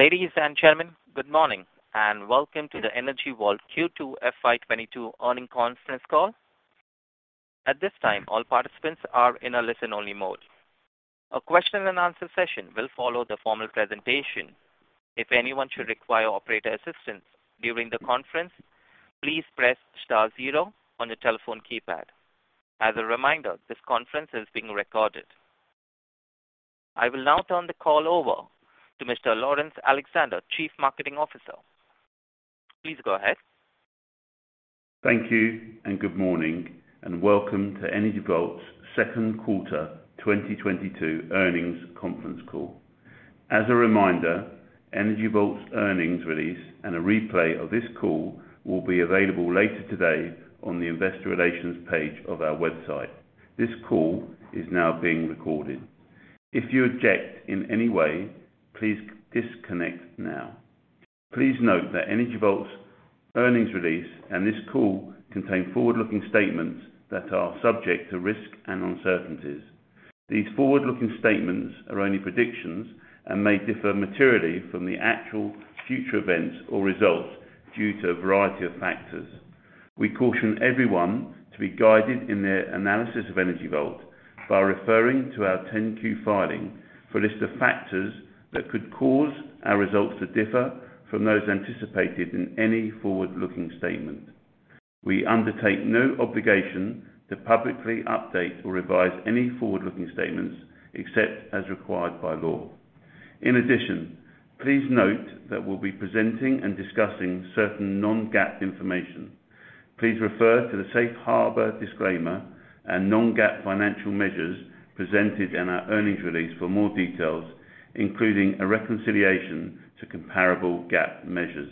Ladies and gentlemen, good morning, and welcome to the Energy Vault Q2 FY 2022 earnings conference call. At this time, all participants are in a listen-only mode. A question and answer session will follow the formal presentation. If anyone should require operator assistance during the conference, please press star zero on your telephone keypad. As a reminder, this conference is being recorded. I will now turn the call over to Mr. Laurence Alexander, Chief Marketing Officer. Please go ahead. Thank you, and good morning, and welcome to Energy Vault's second quarter 2022 earnings conference call. As a reminder, Energy Vault's earnings release and a replay of this call will be available later today on the investor relations page of our website. This call is now being recorded. If you object in any way, please disconnect now. Please note that Energy Vault's earnings release and this call contain forward-looking statements that are subject to risk and uncertainties. These forward-looking statements are only predictions and may differ materially from the actual future events or results due to a variety of factors. We caution everyone to be guided in their analysis of Energy Vault by referring to our 10-Q filing for a list of factors that could cause our results to differ from those anticipated in any forward-looking statement. We undertake no obligation to publicly update or revise any forward-looking statements except as required by law. In addition, please note that we'll be presenting and discussing certain non-GAAP information. Please refer to the safe harbor disclaimer and non-GAAP financial measures presented in our earnings release for more details, including a reconciliation to comparable GAAP measures.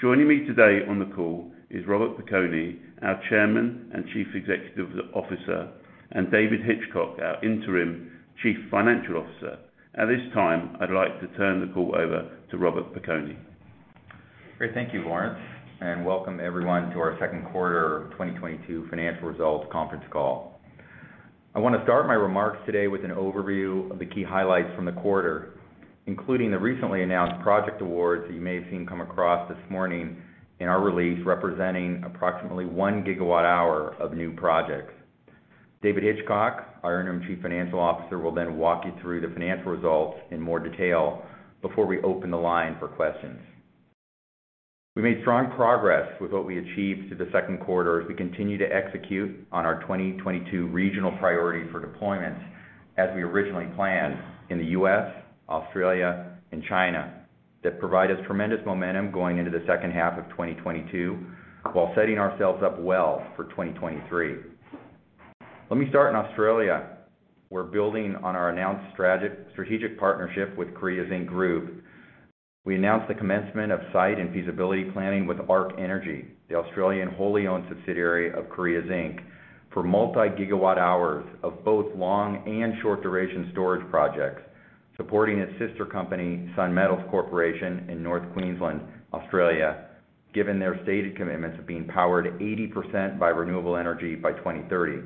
Joining me today on the call is Robert Piconi, our Chairman and Chief Executive Officer, and David Hitchcock, our interim Chief Financial Officer. At this time, I'd like to turn the call over to Robert Piconi. Great. Thank you, Laurence, and welcome everyone to our second quarter 2022 financial results conference call. I want to start my remarks today with an overview of the key highlights from the quarter, including the recently announced project awards that you may have seen come across this morning in our release, representing approximately 1 GWh of new projects. David Hitchcock, our Interim Chief Financial Officer, will then walk you through the financial results in more detail before we open the line for questions. We made strong progress with what we achieved through the second quarter as we continue to execute on our 2022 regional priority for deployments as we originally planned in the U.S., Australia, and China that provide us tremendous momentum going into the second half of 2022 while setting ourselves up well for 2023. Let me start in Australia. We're building on our announced strategic partnership with Creasy Group. We announced the commencement of site and feasibility planning with Ark Energy, the Australian wholly owned subsidiary of Korea Zinc, for multi-gigawatt hours of both long and short-duration storage projects, supporting its sister company, Sun Metals Corporation in North Queensland, Australia, given their stated commitments of being powered 80% by renewable energy by 2030.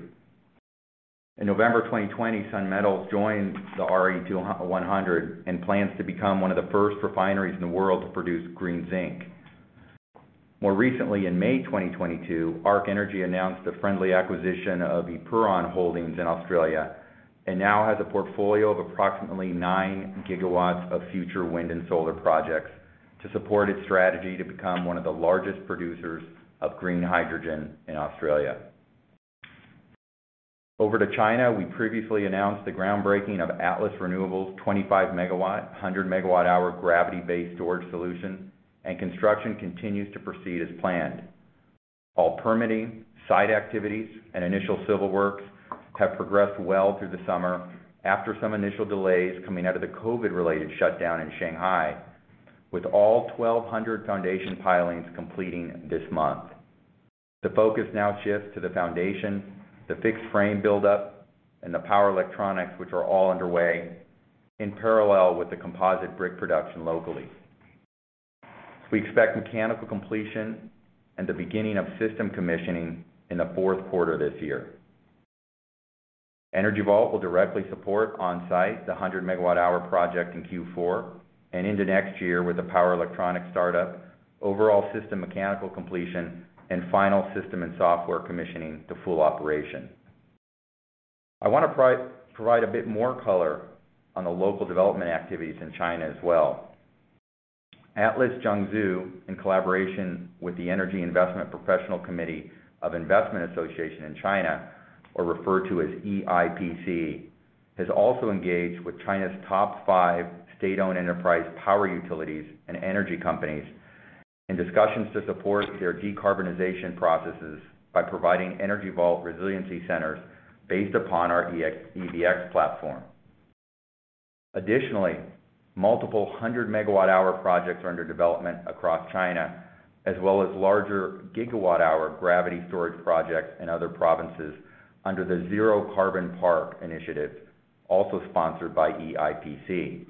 In November 2020, Sun Metals joined the RE100 and plans to become one of the first refineries in the world to produce green zinc. More recently, in May 2022, Ark Energy announced a friendly acquisition of Epuron Holdings in Australia and now has a portfolio of approximately 9 GW of future wind and solar projects to support its strategy to become one of the largest producers of green hydrogen in Australia. Over to China, we previously announced the groundbreaking of Atlas Renewable's 25 MW, 100 MWh gravity-based storage solution, and construction continues to proceed as planned. All permitting, site activities, and initial civil works have progressed well through the summer after some initial delays coming out of the COVID-related shutdown in Shanghai, with all 1,200 foundation pilings completing this month. The focus now shifts to the foundation, the fixed frame buildup, and the power electronics, which are all underway in parallel with the composite brick production locally. We expect mechanical completion and the beginning of system commissioning in the fourth quarter this year. Energy Vault will directly support on-site the 100 MWh project in Q4 and into next year with the power electronic startup, overall system mechanical completion, and final system and software commissioning to full operation. I want to provide a bit more color on the local development activities in China as well. Atlas Zhengzhou, in collaboration with the Energy Investment Professional Committee of the Investment Association of China, or referred to as EIPC, has also engaged with China's top five state-owned enterprise power utilities and energy companies in discussions to support their decarbonization processes by providing Energy Vault resiliency centers based upon our EVx platform. Additionally, multiple hundred megawatt-hour projects are under development across China, as well as larger gigawatt-hour gravity storage projects in other provinces under the Zero-Carbon Park initiative, also sponsored by EIPC.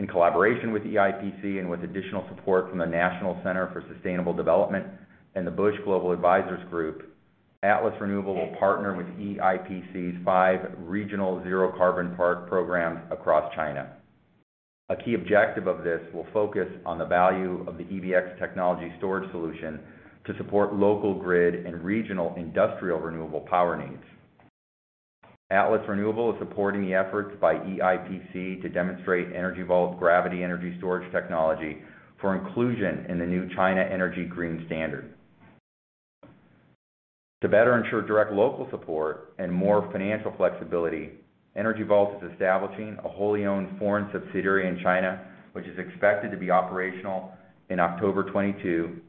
In collaboration with EIPC and with additional support from the National Center for Sustainable Development and the Bush Global Advisers Group, Atlas Renewable will partner with EIPC's five regional zero-carbon park programs across China. A key objective of this will focus on the value of the EVx technology storage solution to support local grid and regional industrial renewable power needs. Atlas Renewable is supporting the efforts by EIPC to demonstrate Energy Vault's gravity energy storage technology for inclusion in the new China Energy Green Standard. To better ensure direct local support and more financial flexibility, Energy Vault is establishing a wholly-owned foreign subsidiary in China, which is expected to be operational in October 2022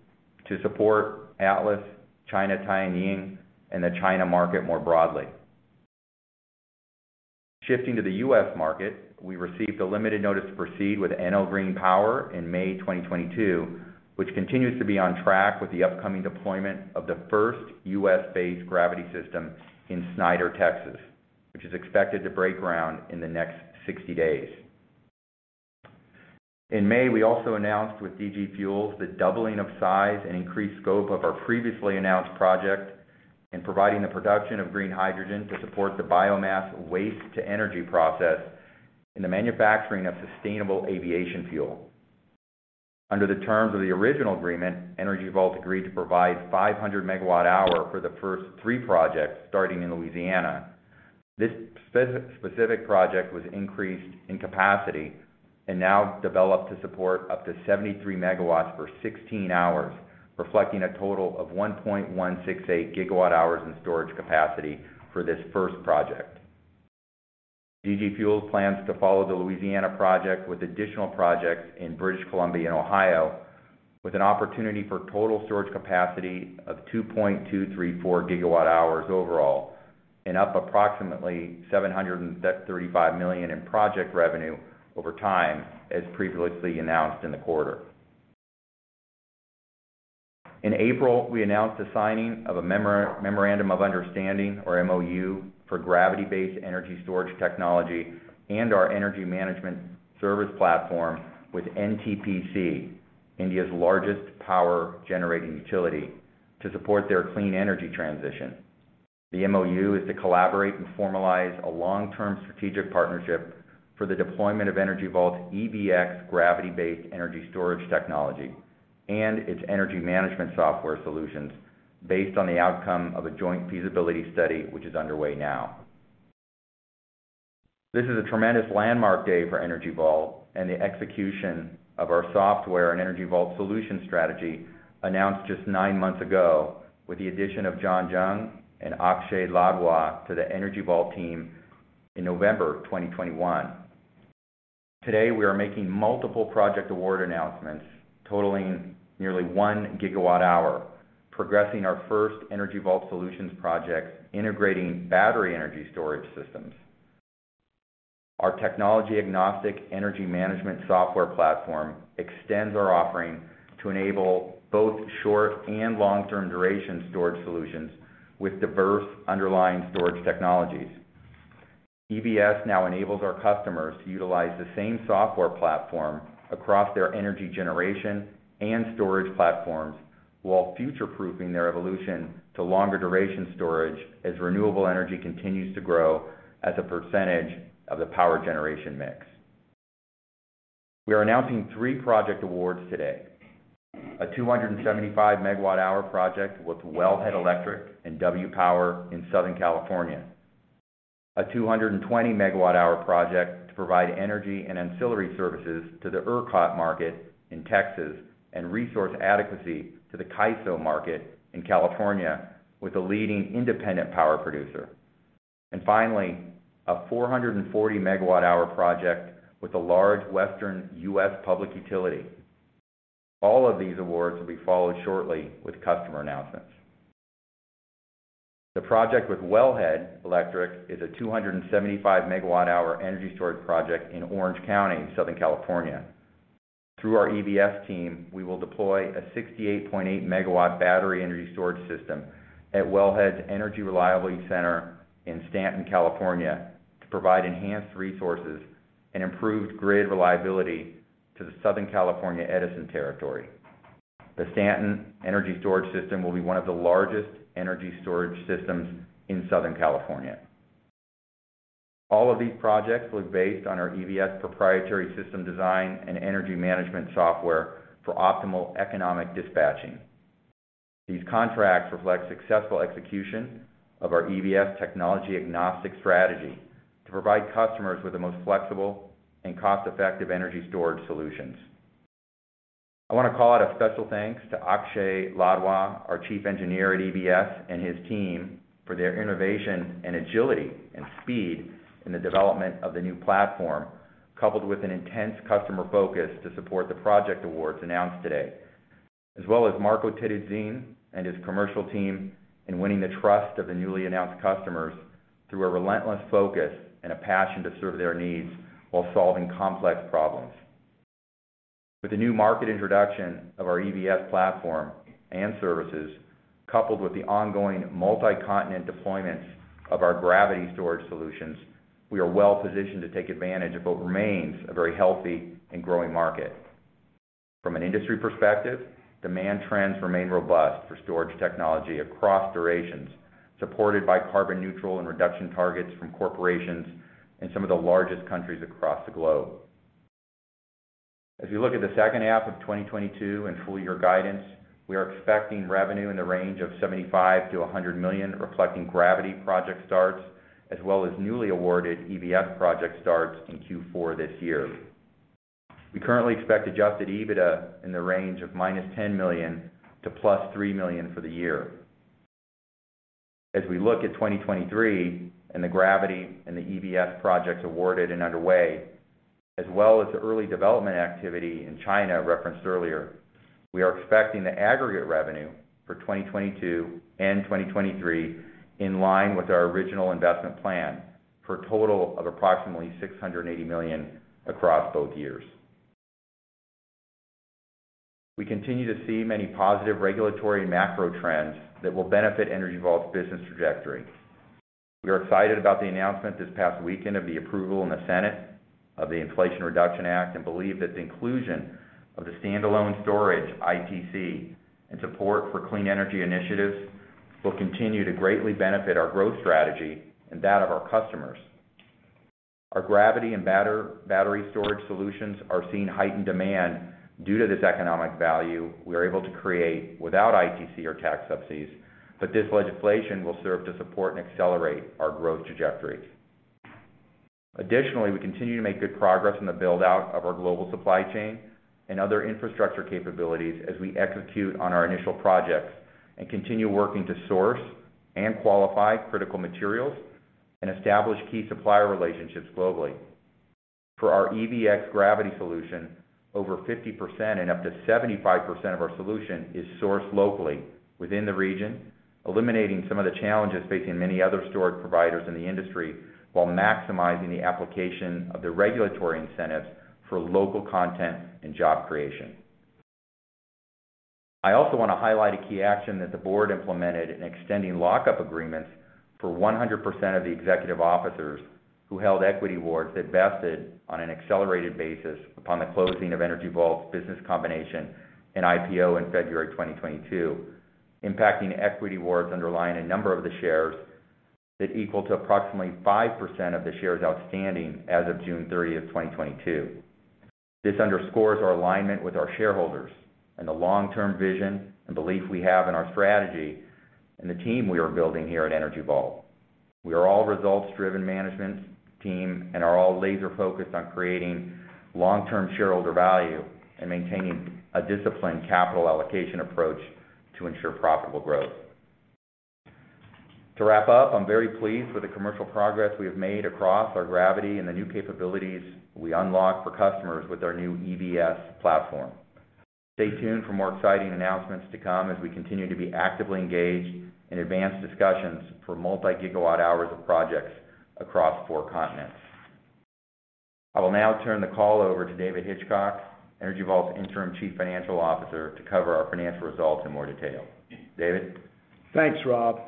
to support Atlas, China Tianying, and the China market more broadly. Shifting to the U.S. market, we received a limited notice to proceed with Enel Green Power in May 2022, which continues to be on track with the upcoming deployment of the first U.S.-based gravity system in Snyder, Texas, which is expected to break ground in the next 60 days. In May, we also announced with DG Fuels the doubling of size and increased scope of our previously announced project in providing the production of green hydrogen to support the biomass waste-to-energy process in the manufacturing of sustainable aviation fuel. Under the terms of the original agreement, Energy Vault agreed to provide 500 MWh for the first three projects starting in Louisiana. This specific project was increased in capacity and now developed to support up to 73 MW for 16 hours, reflecting a total of 1.168 GWh in storage capacity for this first project. DG Fuels plans to follow the Louisiana project with additional projects in British Columbia and Ohio, with an opportunity for total storage capacity of 2.234 GWh overall and up to approximately $735 million in project revenue over time, as previously announced in the quarter. In April, we announced the signing of a memorandum of understanding or MOU for gravity-based energy storage technology and our energy management service platform with NTPC Limited, India's largest power generation utility, to support their clean energy transition. The MOU is to collaborate and formalize a long-term strategic partnership for the deployment of Energy Vault's EVx gravity-based energy storage technology and its energy management software solutions based on the outcome of a joint feasibility study, which is underway now. This is a tremendous landmark day for Energy Vault and the execution of our software and Energy Vault Solutions strategy announced just nine months ago with the addition of John Jung and Akshay Ladwa to the Energy Vault team in November 2021. Today, we are making multiple project award announcements totaling nearly 1 GWh, progressing our first Energy Vault Solutions project integrating battery energy storage systems. Our technology-agnostic energy management software platform extends our offering to enable both short- and long-term duration storage solutions with diverse underlying storage technologies. EVS now enables our customers to utilize the same software platform across their energy generation and storage platforms while future-proofing their evolution to longer-duration storage as renewable energy continues to grow as a percentage of the power generation mix. We are announcing three project awards today. A 275 MWh project with Wellhead Electric and W Power in Southern California. A 220 MWh project to provide energy and ancillary services to the ERCOT market in Texas and resource adequacy to the CAISO market in California with a leading independent power producer. Finally, a 440 MWh project with a large Western U.S. public utility. All of these awards will be followed shortly with customer announcements. The project with Wellhead Electric is a 275 MWh energy storage project in Orange County, Southern California. Through our EVS team, we will deploy a 68.8 MW battery energy storage system at Wellhead's Energy Reliability Center in Stanton, California, to provide enhanced resources and improved grid reliability to the Southern California Edison territory. The Stanton Energy Storage System will be one of the largest energy storage systems in Southern California. All of these projects were based on our EVS proprietary system design and energy management software for optimal economic dispatching. These contracts reflect successful execution of our EVS technology-agnostic strategy to provide customers with the most flexible and cost-effective energy storage solutions. I want to call out a special thanks to Akshay Ladwa, our Chief Engineer at EVS, and his team for their innovation and agility and speed in the development of the new platform, coupled with an intense customer focus to support the project awards announced today. Marco Terruzzin and his commercial team in winning the trust of the newly announced customers through a relentless focus and a passion to serve their needs while solving complex problems. With the new market introduction of our EVS platform and services, coupled with the ongoing multi-continent deployments of our gravity storage solutions, we are well-positioned to take advantage of what remains a very healthy and growing market. From an industry perspective, demand trends remain robust for storage technology across durations, supported by carbon neutral and reduction targets from corporations in some of the largest countries across the globe. As we look at the second half of 2022 and full year guidance, we are expecting revenue in the range of $75 million-$100 million, reflecting gravity project starts, as well as newly awarded EVS project starts in Q4 this year. We currently expect adjusted EBITDA in the range of -$10 million to $3 million for the year. As we look at 2023 and the Gravity and the EVS projects awarded and underway, as well as the early development activity in China referenced earlier, we are expecting the aggregate revenue for 2022 and 2023 in line with our original investment plan for a total of approximately $680 million across both years. We continue to see many positive regulatory and macro trends that will benefit Energy Vault's business trajectory. We are excited about the announcement this past weekend of the approval in the Senate of the Inflation Reduction Act, and believe that the inclusion of the standalone storage ITC and support for clean energy initiatives will continue to greatly benefit our growth strategy and that of our customers. Our gravity and battery storage solutions are seeing heightened demand due to this economic value we are able to create without ITC or tax subsidies, but this legislation will serve to support and accelerate our growth trajectory. Additionally, we continue to make good progress in the build-out of our global supply chain and other infrastructure capabilities as we execute on our initial projects and continue working to source and qualify critical materials and establish key supplier relationships globally. For our EVx gravity solution, over 50% and up to 75% of our solution is sourced locally within the region, eliminating some of the challenges facing many other storage providers in the industry, while maximizing the application of the regulatory incentives for local content and job creation. I also want to highlight a key action that the board implemented in extending lock-up agreements for 100% of the executive officers who held equity awards that vested on an accelerated basis upon the closing of Energy Vault's business combination and IPO in February 2022, impacting equity awards underlying a number of the shares that equal to approximately 5% of the shares outstanding as of June 30, 2022. This underscores our alignment with our shareholders and the long-term vision and belief we have in our strategy and the team we are building here at Energy Vault. We are all results-driven management team and are all laser-focused on creating long-term shareholder value and maintaining a disciplined capital allocation approach to ensure profitable growth. To wrap up, I'm very pleased with the commercial progress we have made across our Gravity and the new capabilities we unlock for customers with our new EVS platform. Stay tuned for more exciting announcements to come as we continue to be actively engaged in advanced discussions for multi-gigawatt hours of projects across four continents. I will now turn the call over to David Hitchcock, Energy Vault's Interim Chief Financial Officer, to cover our financial results in more detail. David? Thanks, Rob.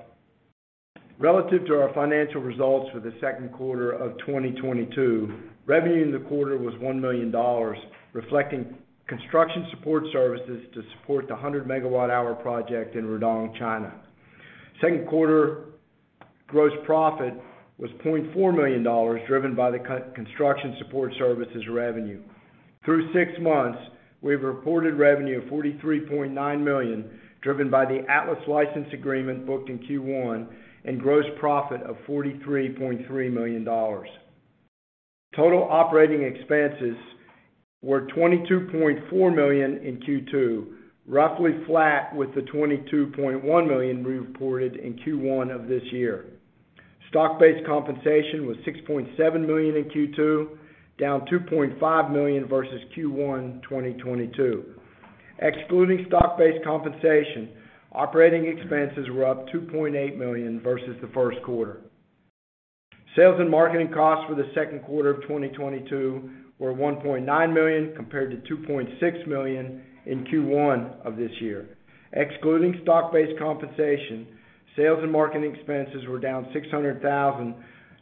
Relative to our financial results for the second quarter of 2022, revenue in the quarter was $1 million, reflecting construction support services to support the 100-megawatt-hour project in Rudong, China. Second quarter gross profit was $0.4 million, driven by the construction support services revenue. Through six months, we have reported revenue of $43.9 million, driven by the Atlas license agreement booked in Q1 and gross profit of $43.3 million. Total operating expenses were $22.4 million in Q2, roughly flat with the $22.1 million we reported in Q1 of this year. Stock-based compensation was $6.7 million in Q2, down $2.5 million versus Q1 2022. Excluding stock-based compensation, operating expenses were up $2.8 million versus the first quarter. Sales and marketing costs for the second quarter of 2022 were $1.9 million, compared to $2.6 million in Q1 of this year. Excluding stock-based compensation, sales and marketing expenses were down $600 thousand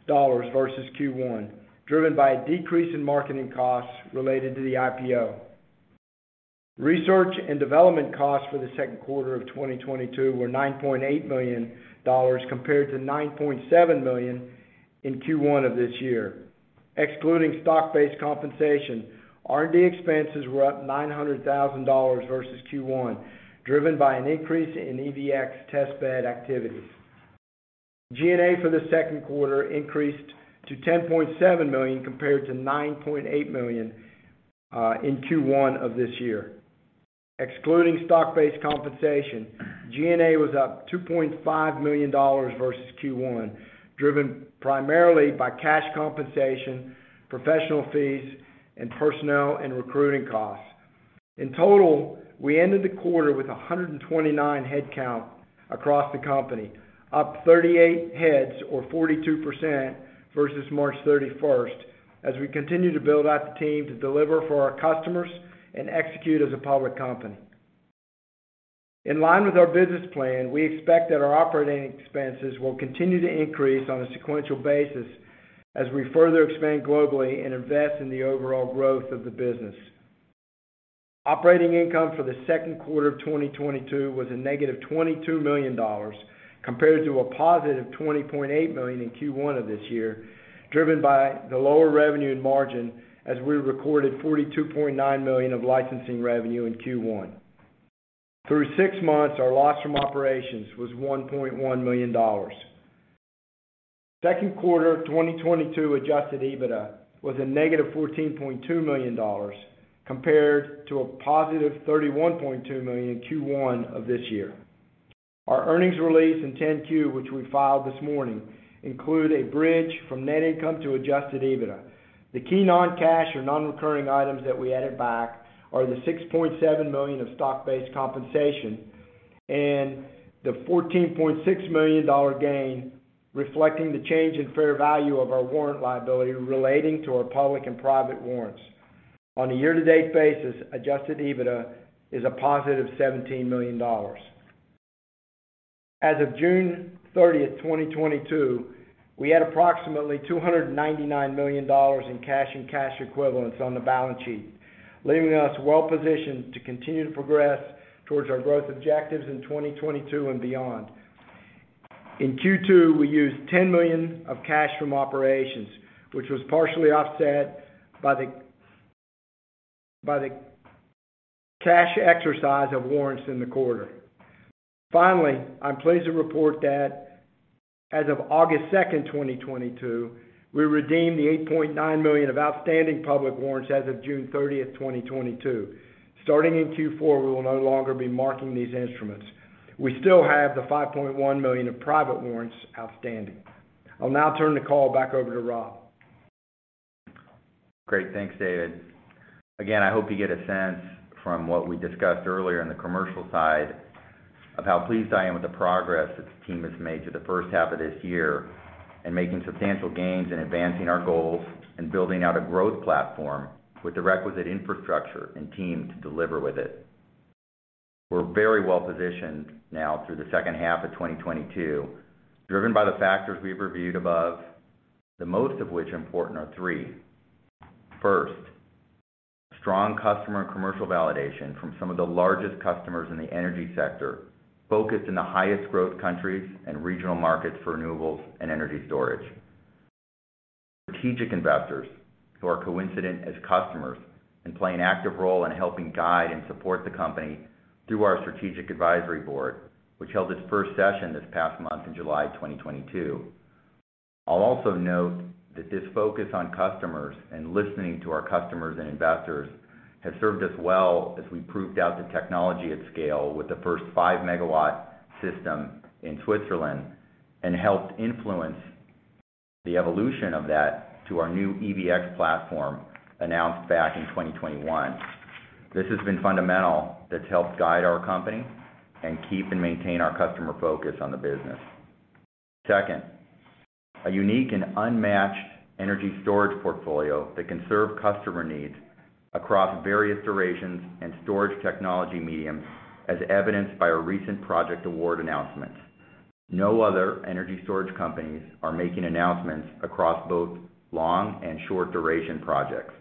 versus Q1, driven by a decrease in marketing costs related to the IPO. Research and development costs for the second quarter of 2022 were $9.8 million, compared to $9.7 million in Q1 of this year. Excluding stock-based compensation, R&D expenses were up $900 thousand versus Q1, driven by an increase in EVx test bed activities. G&A for the second quarter increased to $10.7 million, compared to $9.8 million in Q1 of this year. Excluding stock-based compensation, G&A was up $2.5 million versus Q1, driven primarily by cash compensation, professional fees, and personnel and recruiting costs. In total, we ended the quarter with 129 headcount across the company, up 38 heads or 42% versus March 31, as we continue to build out the team to deliver for our customers and execute as a public company. In line with our business plan, we expect that our operating expenses will continue to increase on a sequential basis as we further expand globally and invest in the overall growth of the business. Operating income for the second quarter of 2022 was -$22 million compared to $20.8 million in Q1 of this year, driven by the lower revenue and margin as we recorded $42.9 million of licensing revenue in Q1. Through six months, our loss from operations was $1.1 million. Second quarter 2022 adjusted EBITDA was a negative $14.2 million compared to a positive $31.2 million in Q1 of this year. Our earnings release in 10-Q, which we filed this morning, include a bridge from net income to adjusted EBITDA. The key non-cash or non-recurring items that we added back are the $6.7 million of stock-based compensation and the $14.6 million dollar gain, reflecting the change in fair value of our warrant liability relating to our public and private warrants. On a year-to-date basis, adjusted EBITDA is a positive $17 million. As of June 30, 2022, we had approximately $299 million in cash and cash equivalents on the balance sheet, leaving us well-positioned to continue to progress towards our growth objectives in 2022 and beyond. In Q2, we used $10 million of cash from operations, which was partially offset by the cash exercise of warrants in the quarter. Finally, I'm pleased to report that as of August 2, 2022, we redeemed the $8.9 million of outstanding public warrants as of June 30, 2022. Starting in Q4, we will no longer be marking these instruments. We still have the $5.1 million of private warrants outstanding. I'll now turn the call back over to Rob. Great. Thanks, David. Again, I hope you get a sense from what we discussed earlier in the commercial side of how pleased I am with the progress that the team has made through the first half of this year in making substantial gains in advancing our goals and building out a growth platform with the requisite infrastructure and team to deliver with it. We're very well-positioned now through the second half of 2022, driven by the factors we've reviewed above, the most important of which are three. First, strong customer commercial validation from some of the largest customers in the energy sector, focused in the highest growth countries and regional markets for renewables and energy storage. Strategic investors who are coincident as customers and play an active role in helping guide and support the company through our strategic advisory board, which held its first session this past month in July 2022. I'll also note that this focus on customers and listening to our customers and investors has served us well as we proved out the technology at scale with the first 5-MW system in Switzerland and helped influence the evolution of that to our new EVx platform announced back in 2021. This has been fundamental that's helped guide our company and keep and maintain our customer focus on the business. Second, a unique and unmatched energy storage portfolio that can serve customer needs across various durations and storage technology mediums, as evidenced by our recent project award announcements. No other energy storage companies are making announcements across both long and short-duration projects.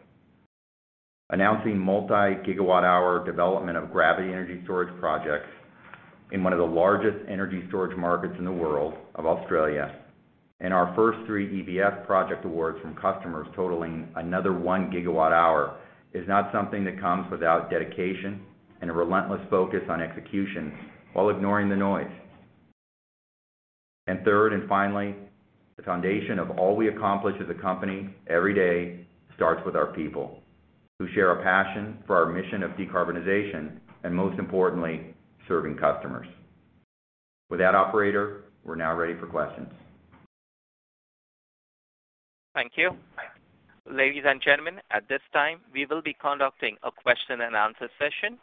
Announcing multi-gigawatt-hour development of gravity energy storage projects in one of the largest energy storage markets in the world, Australia, and our first three EVx project awards from customers totaling another 1 gigawatt-hour is not something that comes without dedication and a relentless focus on execution while ignoring the noise. Third and finally, the foundation of all we accomplish as a company every day starts with our people, who share a passion for our mission of decarbonization and, most importantly, serving customers. With that, operator, we're now ready for questions. Thank you. Ladies and gentlemen, at this time, we will be conducting a question and answer session.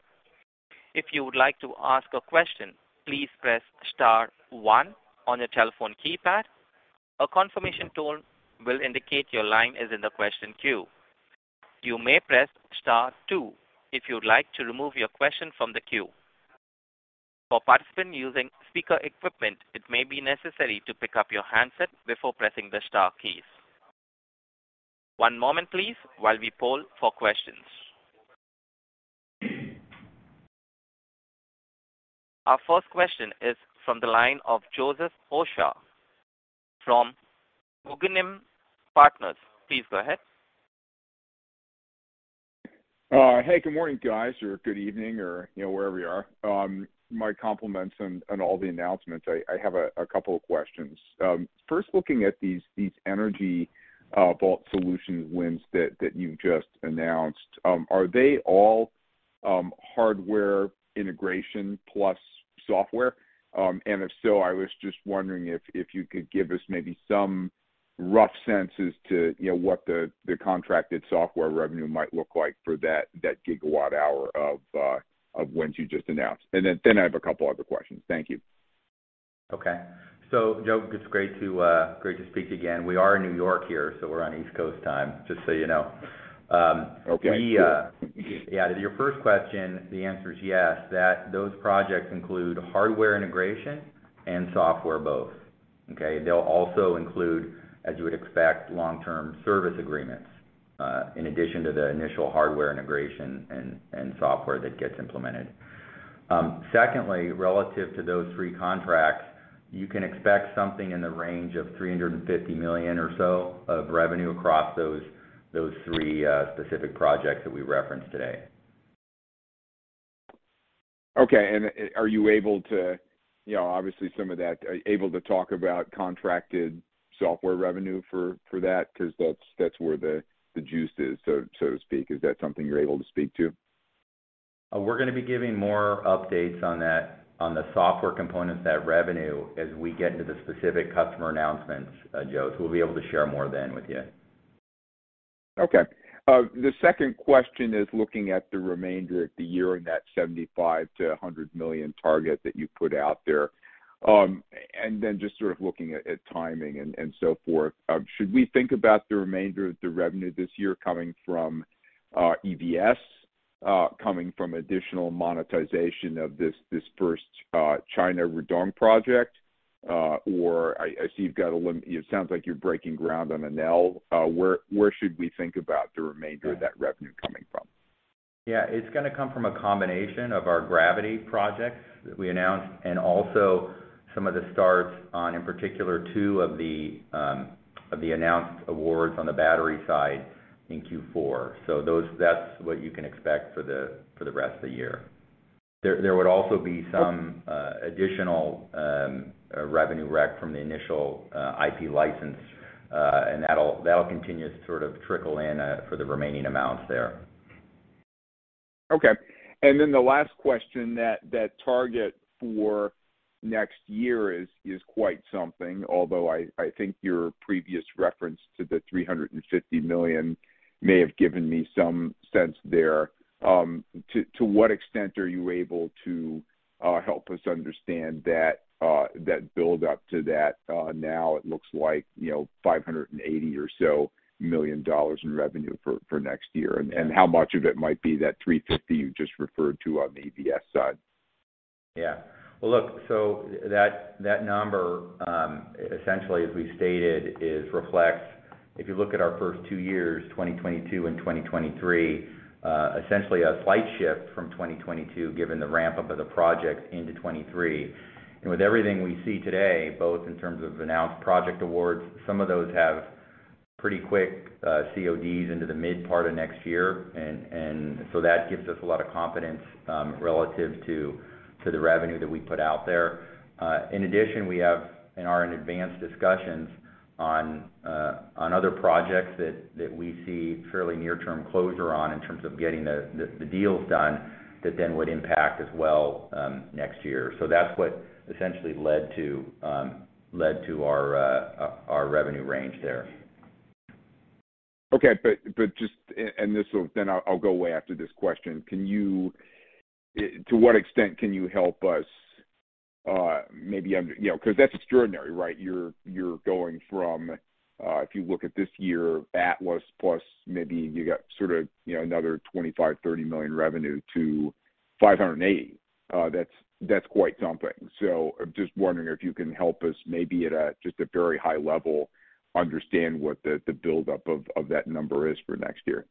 If you would like to ask a question, please press star one on your telephone keypad. A confirmation tone will indicate your line is in the question queue. You may press star two if you would like to remove your question from the queue. For participants using speaker equipment, it may be necessary to pick up your handset before pressing the star keys. One moment, please, while we poll for questions. Our first question is from the line of Joseph Osha from Guggenheim Partners. Please go ahead. Hey, good morning, guys, or good evening or, you know, wherever you are. My compliments on all the announcements. I have a couple of questions. First looking at these Energy Vault Solutions wins that you've just announced. Are they all hardware integration plus software? And if so, I was just wondering if you could give us maybe some rough sense as to, you know, what the contracted software revenue might look like for that gigawatt hour of wins you just announced. Then I have a couple other questions. Thank you. Okay. Joe, it's great to speak again. We are in New York here, so we're on East Coast time, just so you know. Okay. Sure. To your first question, the answer is yes, that those projects include hardware integration and software both. Okay? They'll also include, as you would expect, long-term service agreements in addition to the initial hardware integration and software that gets implemented. Secondly, relative to those three contracts, you can expect something in the range of $350 million or so of revenue across those three specific projects that we referenced today. Okay. Are you able to talk about contracted software revenue for that? 'Cause that's where the juice is, so to speak. Is that something you're able to speak to? We're gonna be giving more updates on that, on the software component of that revenue as we get into the specific customer announcements, Joe. We'll be able to share more then with you. Okay. The second question is looking at the remainder of the year and that $75 million-$100 million target that you put out there. And then just sort of looking at timing and so forth. Should we think about the remainder of the revenue this year coming from EVS, coming from additional monetization of this first China Rudong project? Or it sounds like you're breaking ground on Enel. Where should we think about the remainder of that revenue coming from? Yeah. It's gonna come from a combination of our Gravity projects that we announced and also some of the starts on, in particular, two of the announced awards on the battery side in Q4. Those, that's what you can expect for the rest of the year. There would also be some additional revenue rec from the initial IP license, and that'll continue to sort of trickle in for the remaining amounts there. Okay. The last question, that target for next year is quite something, although I think your previous reference to the $350 million may have given me some sense there. To what extent are you able to help us understand that build-up to that, now it looks like, you know, $580 million or so in revenue for next year? How much of it might be that $350 you just referred to on the EVS side? Yeah. Well, look, that number essentially, as we stated, reflects, if you look at our first two years, 2022 and 2023, essentially a slight shift from 2022, given the ramp-up of the projects into 2023. With everything we see today, both in terms of announced project awards, some of those have pretty quick CODs into the mid part of next year. That gives us a lot of confidence relative to the revenue that we put out there. In addition, we have and are in advanced discussions on other projects that we see fairly near-term closure on in terms of getting the deals done that then would impact as well next year. That's what essentially led to our revenue range there. I'll go away after this question. To what extent can you help us, maybe understand, you know, 'cause that's extraordinary, right? You're going from, if you look at this year, Atlas plus maybe you got sort of, you know, another $25-$30 million revenue to $580 million. That's quite something. I'm just wondering if you can help us maybe at just a very high level, understand what the build-up of that number is for next year.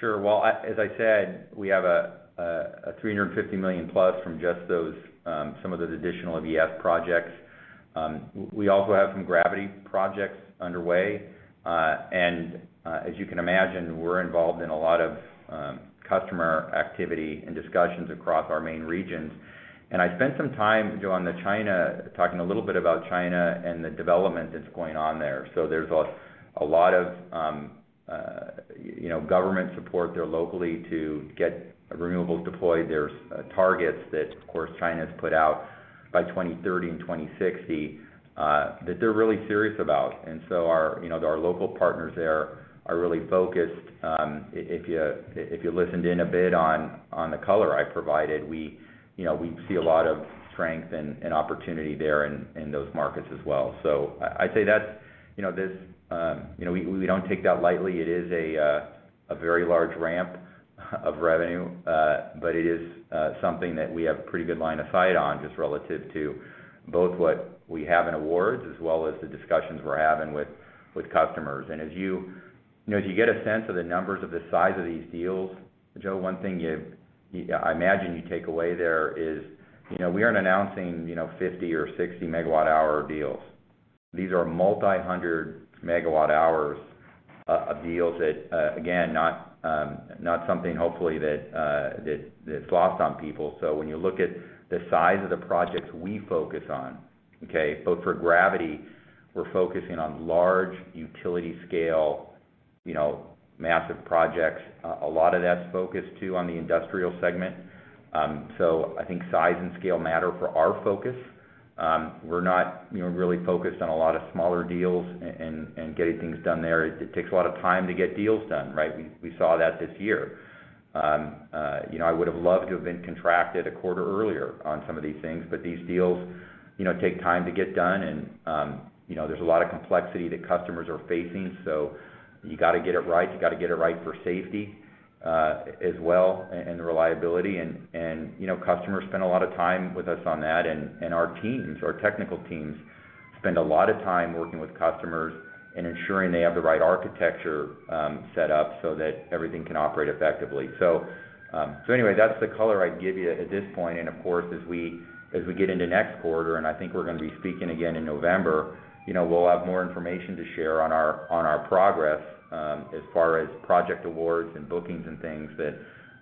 Sure. Well, as I said, we have $350 million plus from just those, some of those additional EVS projects. We also have some gravity projects underway. As you can imagine, we're involved in a lot of customer activity and discussions across our main regions. I spent some time, Joe, on China, talking a little bit about China and the development that's going on there. There's a lot of, you know, government support there locally to get renewables deployed. There's targets that, of course, China's put out by 2030 and 2060, that they're really serious about. Our local partners there are really focused. If you listened in a bit on the color I provided, you know, we see a lot of strength and opportunity there in those markets as well. I'd say that, you know, this, you know, we don't take that lightly. It is a very large ramp of revenue, but it is something that we have pretty good line of sight on, just relative to both what we have in awards as well as the discussions we're having with customers. As you know, as you get a sense of the numbers of the size of these deals, Joe, one thing I imagine you take away there is, you know, we aren't announcing, you know, 50 or 60 megawatt hour deals. These are multi-hundred megawatt hours of deals that, again, not something hopefully that's lost on people. When you look at the size of the projects we focus on, okay? Both for Gravity, we're focusing on large utility scale, you know, massive projects. A lot of that's focused too on the industrial segment. I think size and scale matter for our focus. We're not, you know, really focused on a lot of smaller deals and getting things done there. It takes a lot of time to get deals done, right? We saw that this year. You know, I would have loved to have been contracted a quarter earlier on some of these things, but these deals, you know, take time to get done and, you know, there's a lot of complexity that customers are facing. You gotta get it right, you gotta get it right for safety, as well, and reliability and, you know, customers spend a lot of time with us on that. Our technical teams spend a lot of time working with customers and ensuring they have the right architecture set up so that everything can operate effectively. Anyway, that's the color I'd give you at this point. Of course, as we get into next quarter, and I think we're gonna be speaking again in November, you know, we'll have more information to share on our progress, as far as project awards and bookings and things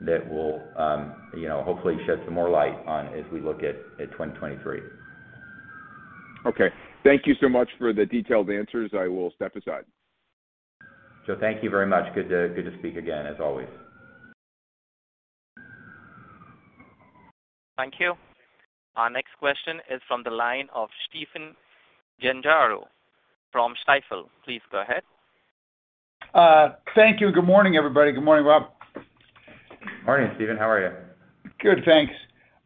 that will, you know, hopefully shed some more light on as we look at 2023. Okay. Thank you so much for the detailed answers. I will step aside. Joe, thank you very much. Good to speak again, as always. Thank you. Our next question is from the line of Stephen Gengaro from Stifel. Please go ahead. Thank you. Good morning, everybody. Good morning, Rob. Morning, Stephen. How are you? Good, thanks.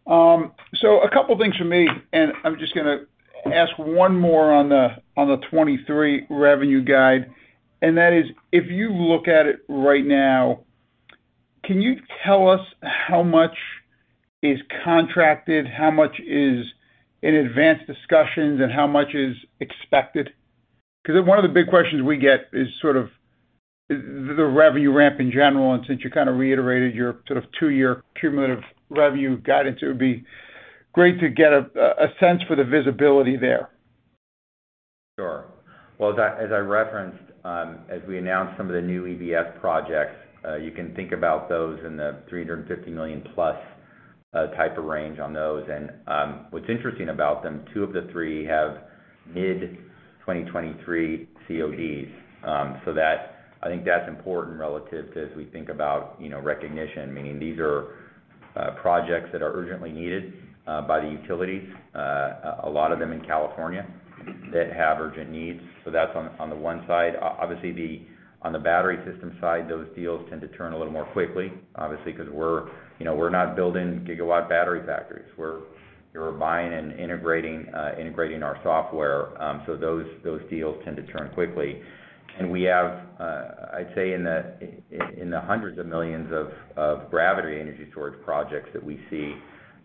A couple of things for me, and I'm just gonna ask one more on the 2023 revenue guide, and that is, if you look at it right now, can you tell us how much is contracted, how much is in advanced discussions, and how much is expected? Because one of the big questions we get is sort of the revenue ramp in general, and since you kind of reiterated your sort of two-year cumulative revenue guidance, it would be great to get a sense for the visibility there. Sure. Well, as I referenced, as we announced some of the new EVS projects, you can think about those in the $350 million-plus type of range on those. What's interesting about them, two of the three have mid-2023 CODs. So, I think that's important relative to as we think about, you know, recognition, meaning these are projects that are urgently needed by the utilities, a lot of them in California that have urgent needs. So that's on the one side. Obviously, on the battery system side, those deals tend to turn a little more quickly, obviously, because you know, we're not building gigawatt battery factories. We're buying and integrating our software, so those deals tend to turn quickly. We have, I'd say in the hundreds of millions of gravity energy storage projects that we see,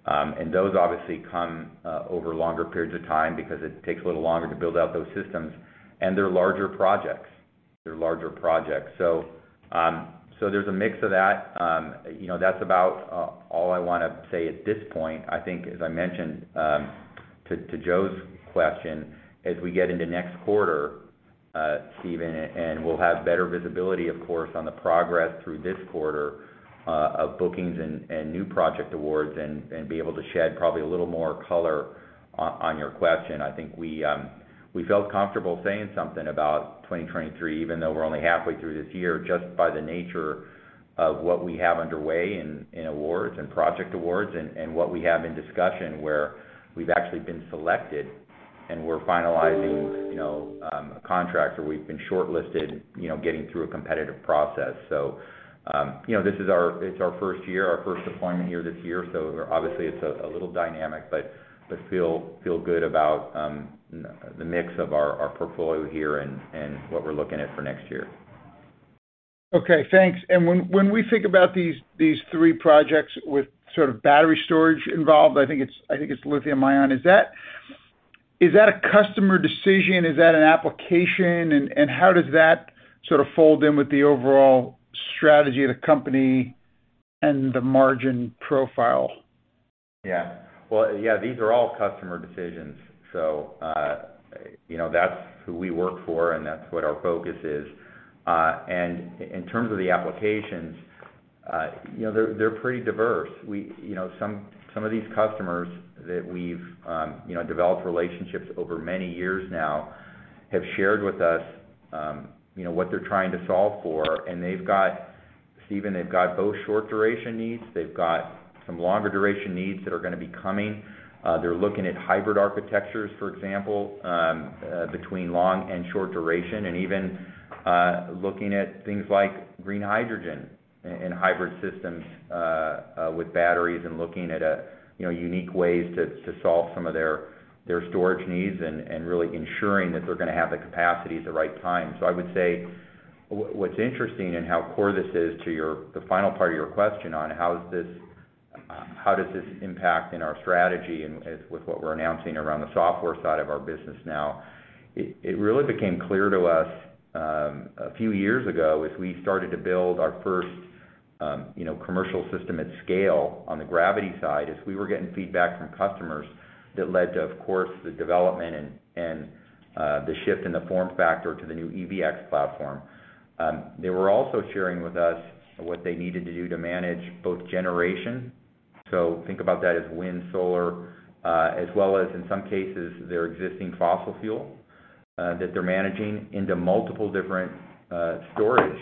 and those obviously come over longer periods of time because it takes a little longer to build out those systems, and they're larger projects. So there's a mix of that. You know, that's about all I wanna say at this point. I think as I mentioned to Joe's question, as we get into next quarter, Stephen, and we'll have better visibility, of course, on the progress through this quarter of bookings and new project awards and be able to shed probably a little more color on your question. I think we felt comfortable saying something about 2023, even though we're only halfway through this year, just by the nature of what we have underway in awards and project awards and what we have in discussion where we've actually been selected and we're finalizing, you know, a contract or we've been shortlisted, you know, getting through a competitive process. This is our first year, our first deployment year this year, so obviously it's a little dynamic, but feel good about the mix of our portfolio here and what we're looking at for next year. Okay, thanks. When we think about these three projects with sort of battery storage involved, I think it's lithium-ion, is that a customer decision? Is that an application? How does that sort of fold in with the overall strategy of the company and the margin profile? Yeah. Well, yeah, these are all customer decisions. You know, that's who we work for, and that's what our focus is. In terms of the applications, you know, they're pretty diverse. You know, some of these customers that we've developed relationships over many years now have shared with us, you know, what they're trying to solve for, and they've got, Stephen, both short-duration needs, they've got some longer duration needs that are gonna be coming. They're looking at hybrid architectures, for example, between long and short duration, and even looking at things like green hydrogen and hybrid systems with batteries and looking at a you know, unique ways to solve some of their storage needs and really ensuring that they're gonna have the capacity at the right time. I would say what's interesting and how core this is to the final part of your question on how does this impact our strategy with what we're announcing around the software side of our business now. It really became clear to us a few years ago as we started to build our first, you know, commercial system at scale on the gravity side, as we were getting feedback from customers that led to, of course, the development and the shift in the form factor to the new EVx platform. They were also sharing with us what they needed to do to manage both generation. Think about that as wind, solar, as well as in some cases, their existing fossil fuel that they're managing into multiple different storage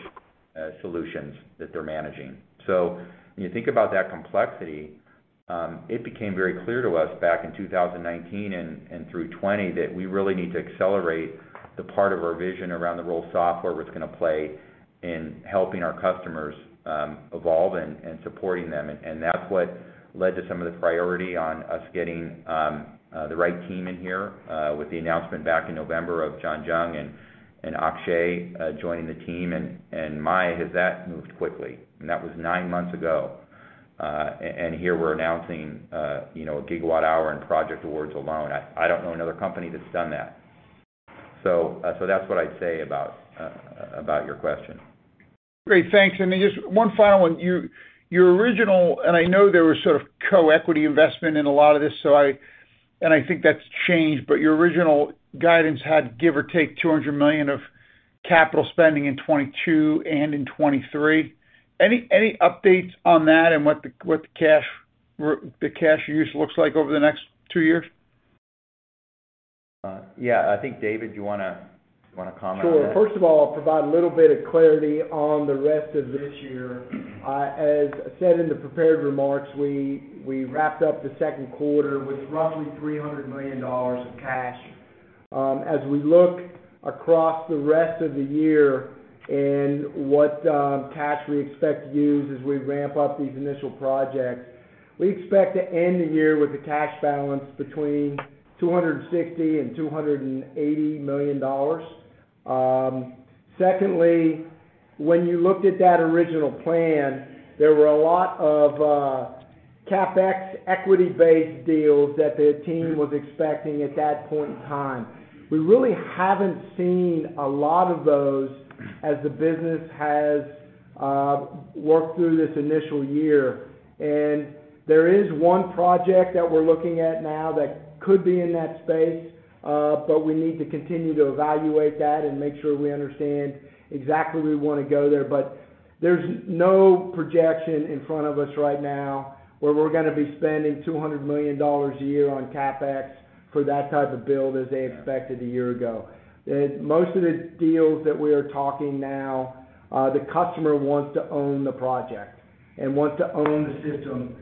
solutions that they're managing. When you think about that complexity, it became very clear to us back in 2019 and through 2020 that we really need to accelerate the part of our vision around the role software was gonna play in helping our customers evolve and supporting them. That's what led to some of the priority on us getting the right team in here with the announcement back in November of John Jung and Akshay joining the team. My exact moved quickly and that was nine months ago and here we are announcing gigawatt hour and project rewards of our own. I don't know another company that's done that. So that's all I would say about your question. Great. Thanks. Just one final one. Your original. I know there was sort of co-equity investment in a lot of this, so I think that's changed, but your original guidance had, give or take, $200 million of capital spending in 2022 and in 2023. Any updates on that and what the cash use looks like over the next two years? Yeah. I think, David, do you wanna comment on that? Sure. First of all, I'll provide a little bit of clarity on the rest of this year. As said in the prepared remarks, we wrapped up the second quarter with roughly $300 million of cash. As we look across the rest of the year and what cash we expect to use as we ramp up these initial projects, we expect to end the year with a cash balance between $260 million and $280 million. Secondly, when you looked at that original plan, there were a lot of CapEx equity-based deals that the team was expecting at that point in time. We really haven't seen a lot of those as the business has worked through this initial year. There is one project that we're looking at now that could be in that space, but we need to continue to evaluate that and make sure we understand exactly where we wanna go there. There's no projection in front of us right now where we're gonna be spending $200 million a year on CapEx for that type of build as they expected a year ago. Most of the deals that we are talking now, the customer wants to own the project and want to own the system.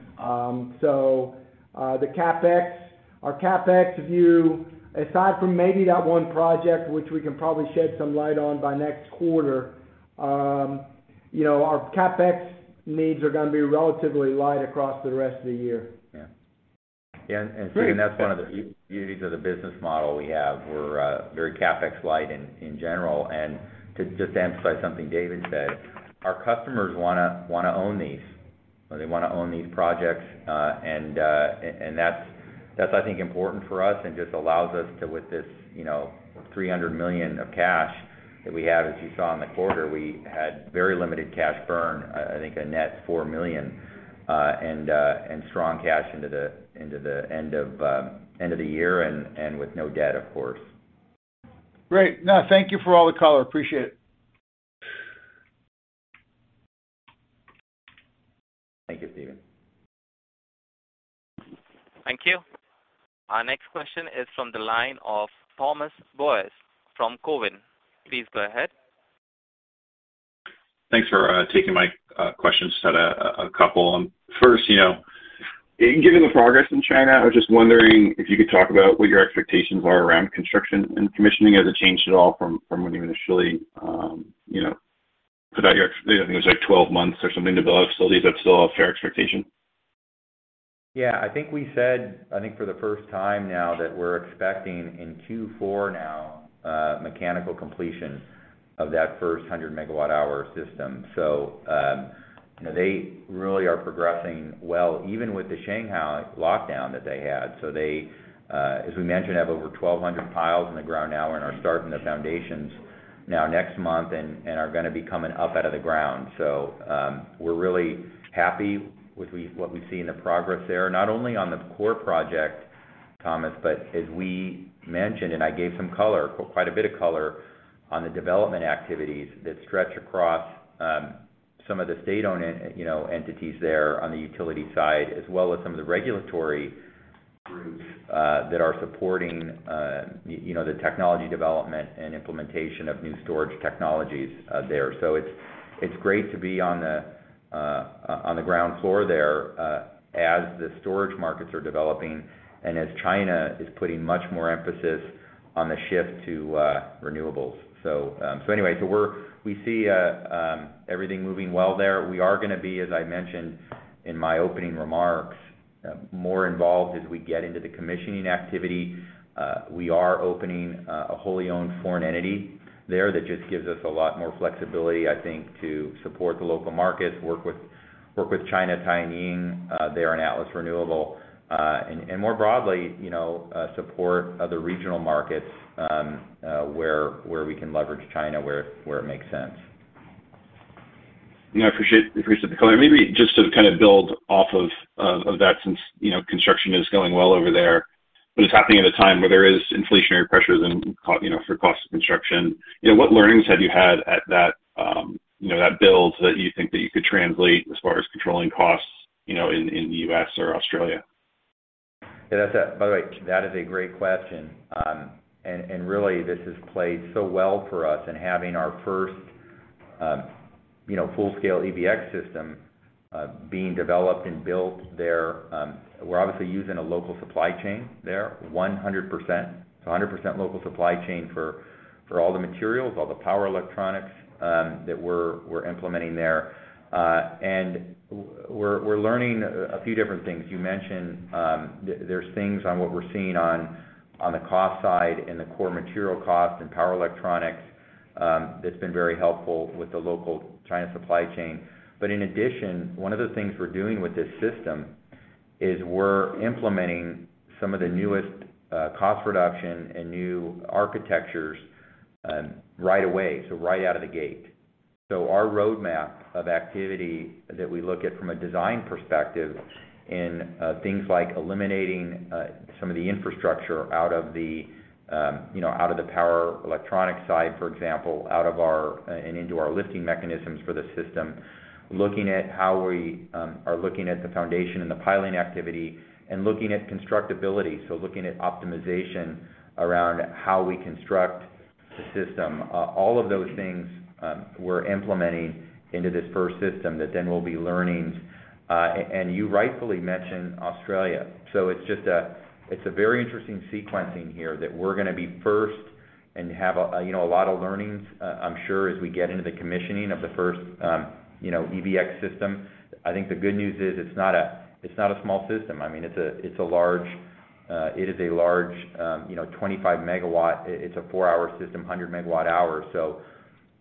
So, the CapEx, our CapEx view, aside from maybe that one project which we can probably shed some light on by next quarter, you know, our CapEx needs are gonna be relatively light across the rest of the year. Yeah. Stephen, that's one of the beauties of the business model we have. We're very CapEx light in general. To just emphasize something David said, our customers wanna own these, or they wanna own these projects. That's, I think, important for us and just allows us to, with this, you know, $300 million of cash that we have, as you saw in the quarter, we had very limited cash burn, I think a net $4 million, and strong cash into the end of the year and with no debt, of course. Great. No, thank you for all the color. Appreciate it. Thank you, Stephen. Thank you. Our next question is from the line of Thomas Boyes from Cowen. Please go ahead. Thanks for taking my questions. Just had a couple. First, you know, given the progress in China, I was just wondering if you could talk about what your expectations are around construction and commissioning. Has it changed at all from when you initially, you know, put out, I think it was like 12 months or something to build out facilities. Is that still a fair expectation? Yeah. I think we said, I think for the first time now, that we're expecting in Q4 now, mechanical completion of that first 100 MWh system. You know, they really are progressing well, even with the Shanghai lockdown that they had. They, as we mentioned, have over 1,200 piles in the ground now and are starting the foundations now, next month, and are gonna be coming up out of the ground. We're really happy with what we see in the progress there. Not only on the core project, Thomas, but as we mentioned, and I gave some color, quite a bit of color on the development activities that stretch across some of the state-owned you know, entities there on the utility side, as well as some of the regulatory groups that are supporting you know, the technology development and implementation of new storage technologies there. It's great to be on the ground floor there as the storage markets are developing and as China is putting much more emphasis on the shift to renewables. Anyway, we see everything moving well there. We are gonna be, as I mentioned in my opening remarks, more involved as we get into the commissioning activity. We are opening a wholly owned foreign entity there that just gives us a lot more flexibility, I think, to support the local markets, work with China Tianying there in Atlas Renewable. More broadly, you know, support other regional markets where we can leverage China where it makes sense. Yeah, appreciate the color. Maybe just to kind of build off of that since, you know, construction is going well over there, but it's happening at a time where there is inflationary pressures and, you know, cost of construction. You know, what learnings have you had at that, you know, that build that you think that you could translate as far as controlling costs, you know, in the U.S. or Australia? Yes. By the way, that is a great question. Really this has played so well for us in having our first, you know, full-scale EVX system being developed and built there. We're obviously using a local supply chain there, 100%. 100% local supply chain for all the materials, all the power electronics, that we're implementing there. We're learning a few different things. You mentioned, there's things on what we're seeing on the cost side and the core material cost and power electronics, that's been very helpful with the local China supply chain. In addition, one of the things we're doing with this system is we're implementing some of the newest cost reduction and new architectures, right away, so right out of the gate. Our roadmap of activity that we look at from a design perspective in things like eliminating some of the infrastructure out of the you know out of the power electronic side, for example, out of our and into our lifting mechanisms for the system, looking at how we are looking at the foundation and the piling activity, and looking at constructability. Looking at optimization around how we construct the system. All of those things, we're implementing into this first system that then we'll be learning. And you rightfully mentioned Australia. It's just a very interesting sequencing here that we're gonna be first and have a you know a lot of learnings, I'm sure as we get into the commissioning of the first you know EVX system. I think the good news is it's not a small system. I mean, it's a large, you know, 25-megawatt. It's a four-hour system, 100 megawatt hours.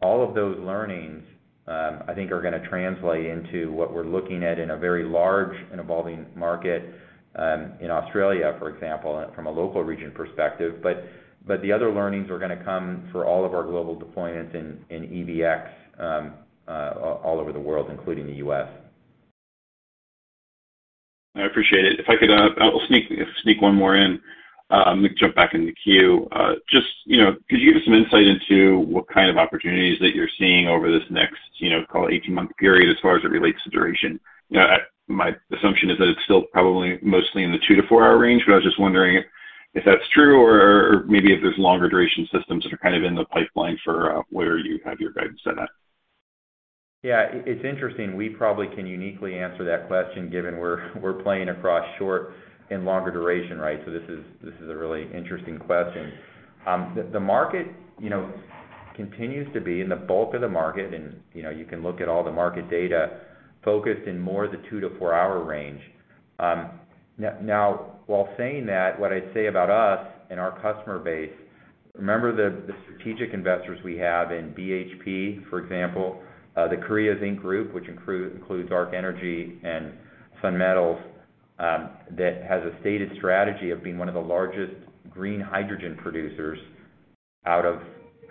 All of those learnings, I think are gonna translate into what we're looking at in a very large and evolving market, in Australia, for example, from a local region perspective. The other learnings are gonna come for all of our global deployments in EVX, all over the world, including the U.S. I appreciate it. If I could, I'll sneak one more in, let me jump back in the queue. Just, you know, could you give some insight into what kind of opportunities that you're seeing over this next, you know, call it 18-month period as far as it relates to duration? My assumption is that it's still probably mostly in the 2-4-hour range, but I was just wondering if that's true or maybe if there's longer duration systems that are kind of in the pipeline for where you have your guidance set at. It's interesting. We probably can uniquely answer that question given we're playing across short and longer duration, right? This is a really interesting question. The market, you know, continues to be in the bulk of the market and, you know, you can look at all the market data focused more in the 2- to 4-hour range. While saying that, what I'd say about us and our customer base, remember the strategic investors we have in BHP, for example, the Korea Zinc Group, which includes Ark Energy and Sun Metals, that has a stated strategy of being one of the largest green hydrogen producers out of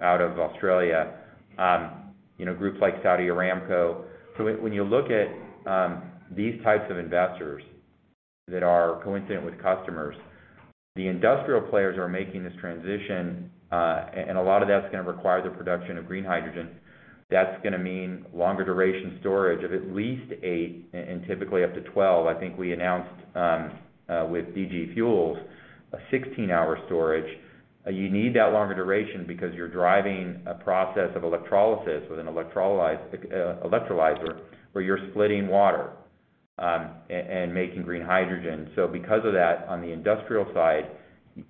Australia. You know, groups like Saudi Aramco. When you look at these types of investors that are coincident with customers, the industrial players are making this transition, and a lot of that's gonna require the production of green hydrogen. That's gonna mean longer duration storage of at least 8 and typically up to 12. I think we announced with DG Fuels a 16-hour storage. You need that longer duration because you're driving a process of electrolysis with an electrolyzer, where you're splitting water and making green hydrogen. Because of that, on the industrial side,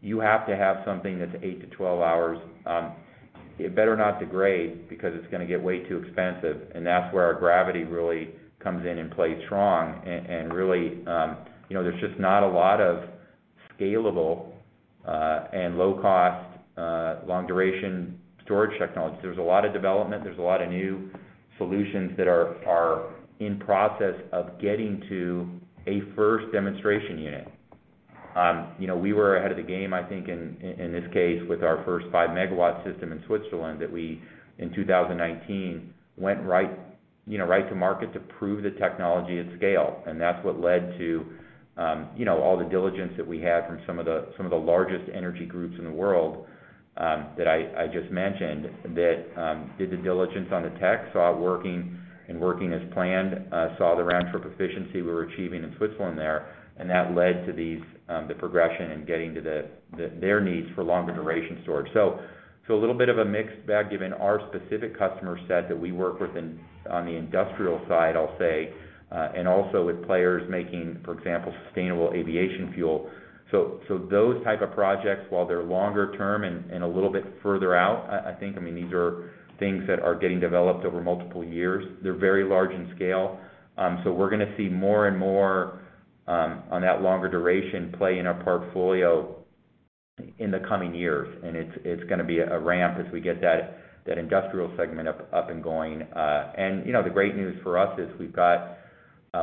you have to have something that's 8-12 hours. It better not degrade because it's gonna get way too expensive, and that's where our gravity really comes in and plays strong. Really, you know, there's just not a lot of scalable, and low cost, long duration storage technology. There's a lot of development. There's a lot of new solutions that are in process of getting to a first demonstration unit. You know, we were ahead of the game, I think, in this case, with our first 5-megawatt system in Switzerland that we, in 2019, went right, you know, right to market to prove the technology at scale. That's what led to, you know, all the diligence that we had from some of the largest energy groups in the world, that I just mentioned. They did the diligence on the tech, saw it working and working as planned, saw the round-trip efficiency we were achieving in Switzerland there, and that led to the progression in getting to their needs for longer duration storage. A little bit of a mixed bag given our specific customer set that we work within on the industrial side, I'll say, and also with players making, for example, sustainable aviation fuel. Those type of projects, while they're longer term and a little bit further out, I think, I mean, these are things that are getting developed over multiple years. They're very large in scale. We're gonna see more and more on that longer duration play in our portfolio in the coming years. It's gonna be a ramp as we get that industrial segment up and going. You know, the great news for us is we've got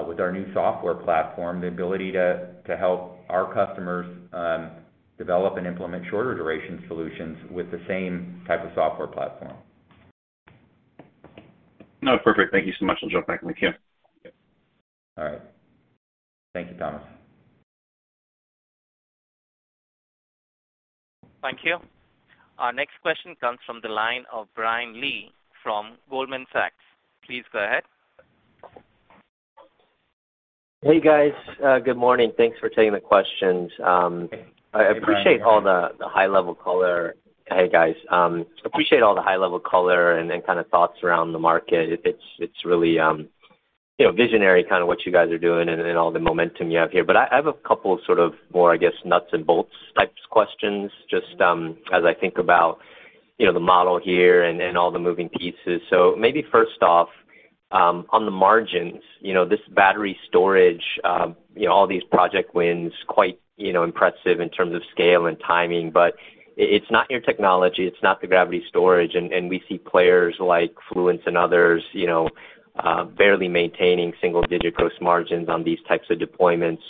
with our new software platform, the ability to help our customers develop and implement shorter duration solutions with the same type of software platform. No, perfect. Thank you so much. I'll jump back in the queue. All right. Thank you, Thomas. Thank you. Our next question comes from the line of Brian Lee from Goldman Sachs. Please go ahead. Hey, guys. Good morning. Thanks for taking the questions. I appreciate all the high-level color. Hey, guys. Appreciate all the high-level color and kind of thoughts around the market. It's really, you know, visionary kind of what you guys are doing and all the momentum you have here. I have a couple sort of more, I guess, nuts and bolts types questions just as I think about, you know, the model here and all the moving pieces. Maybe first off, on the margins, you know, this battery storage, you know, all these project wins quite, you know, impressive in terms of scale and timing. It's not your technology, it's not the gravity storage, and we see players like Fluence and others, you know, barely maintaining single-digit gross margins on these types of deployments,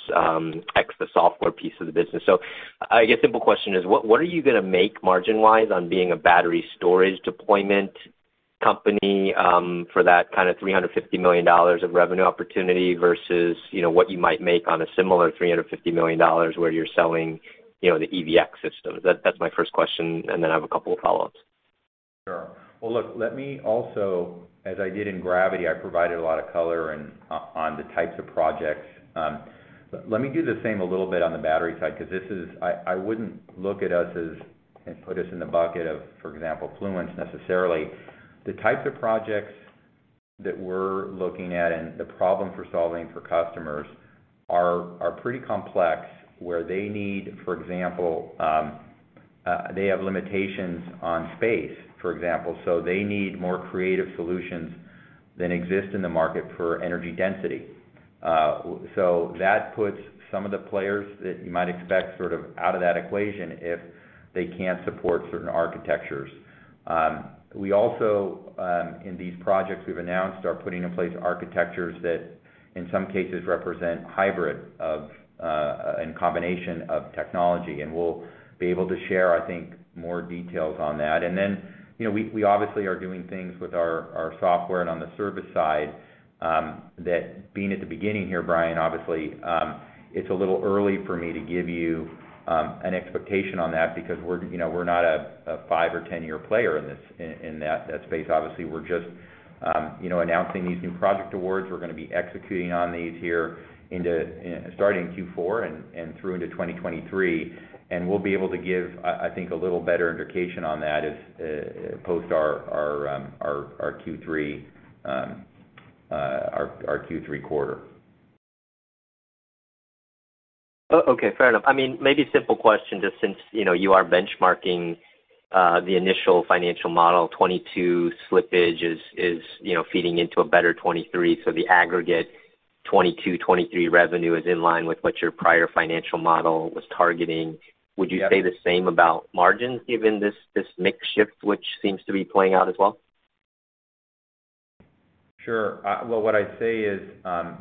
ex the software piece of the business. So I guess simple question is, what are you gonna make margin-wise on being a battery storage deployment company, for that kind of $350 million of revenue opportunity versus, you know, what you might make on a similar $350 million where you're selling, you know, the EVx systems? That's my first question, and then I have a couple of follow-ups. Sure. Well, look, let me also, as I did in gravity, I provided a lot of color and on the types of projects. Let me do the same a little bit on the battery side, 'cause this is. I wouldn't look at us as, and put us in the bucket of, for example, Fluence necessarily. The types of projects that we're looking at and the problems we're solving for customers are pretty complex, where they need, for example, they have limitations on space, for example. They need more creative solutions than exist in the market for energy density. So that puts some of the players that you might expect sort of out of that equation if they can't support certain architectures. We also in these projects we've announced are putting in place architectures that in some cases represent hybrid of in combination of technology, and we'll be able to share, I think, more details on that. You know, we obviously are doing things with our software and on the service side, that being at the beginning here, Brian, obviously, it's a little early for me to give you an expectation on that because we're, you know, we're not a 5- or 10-year player in that space. Obviously, we're just you know announcing these new project awards. We're gonna be executing on these here into starting Q4 and through into 2023. We'll be able to give, I think, a little better indication on that as post our Q3 quarter. Okay, fair enough. I mean, maybe a simple question, just since, you know, you are benchmarking the initial financial model, 2022 slippage is, you know, feeding into a better 2023. The aggregate 2022, 2023 revenue is in line with what your prior financial model was targeting. Yeah. Would you say the same about margins given this mix shift, which seems to be playing out as well? Sure. Well, what I'd say is,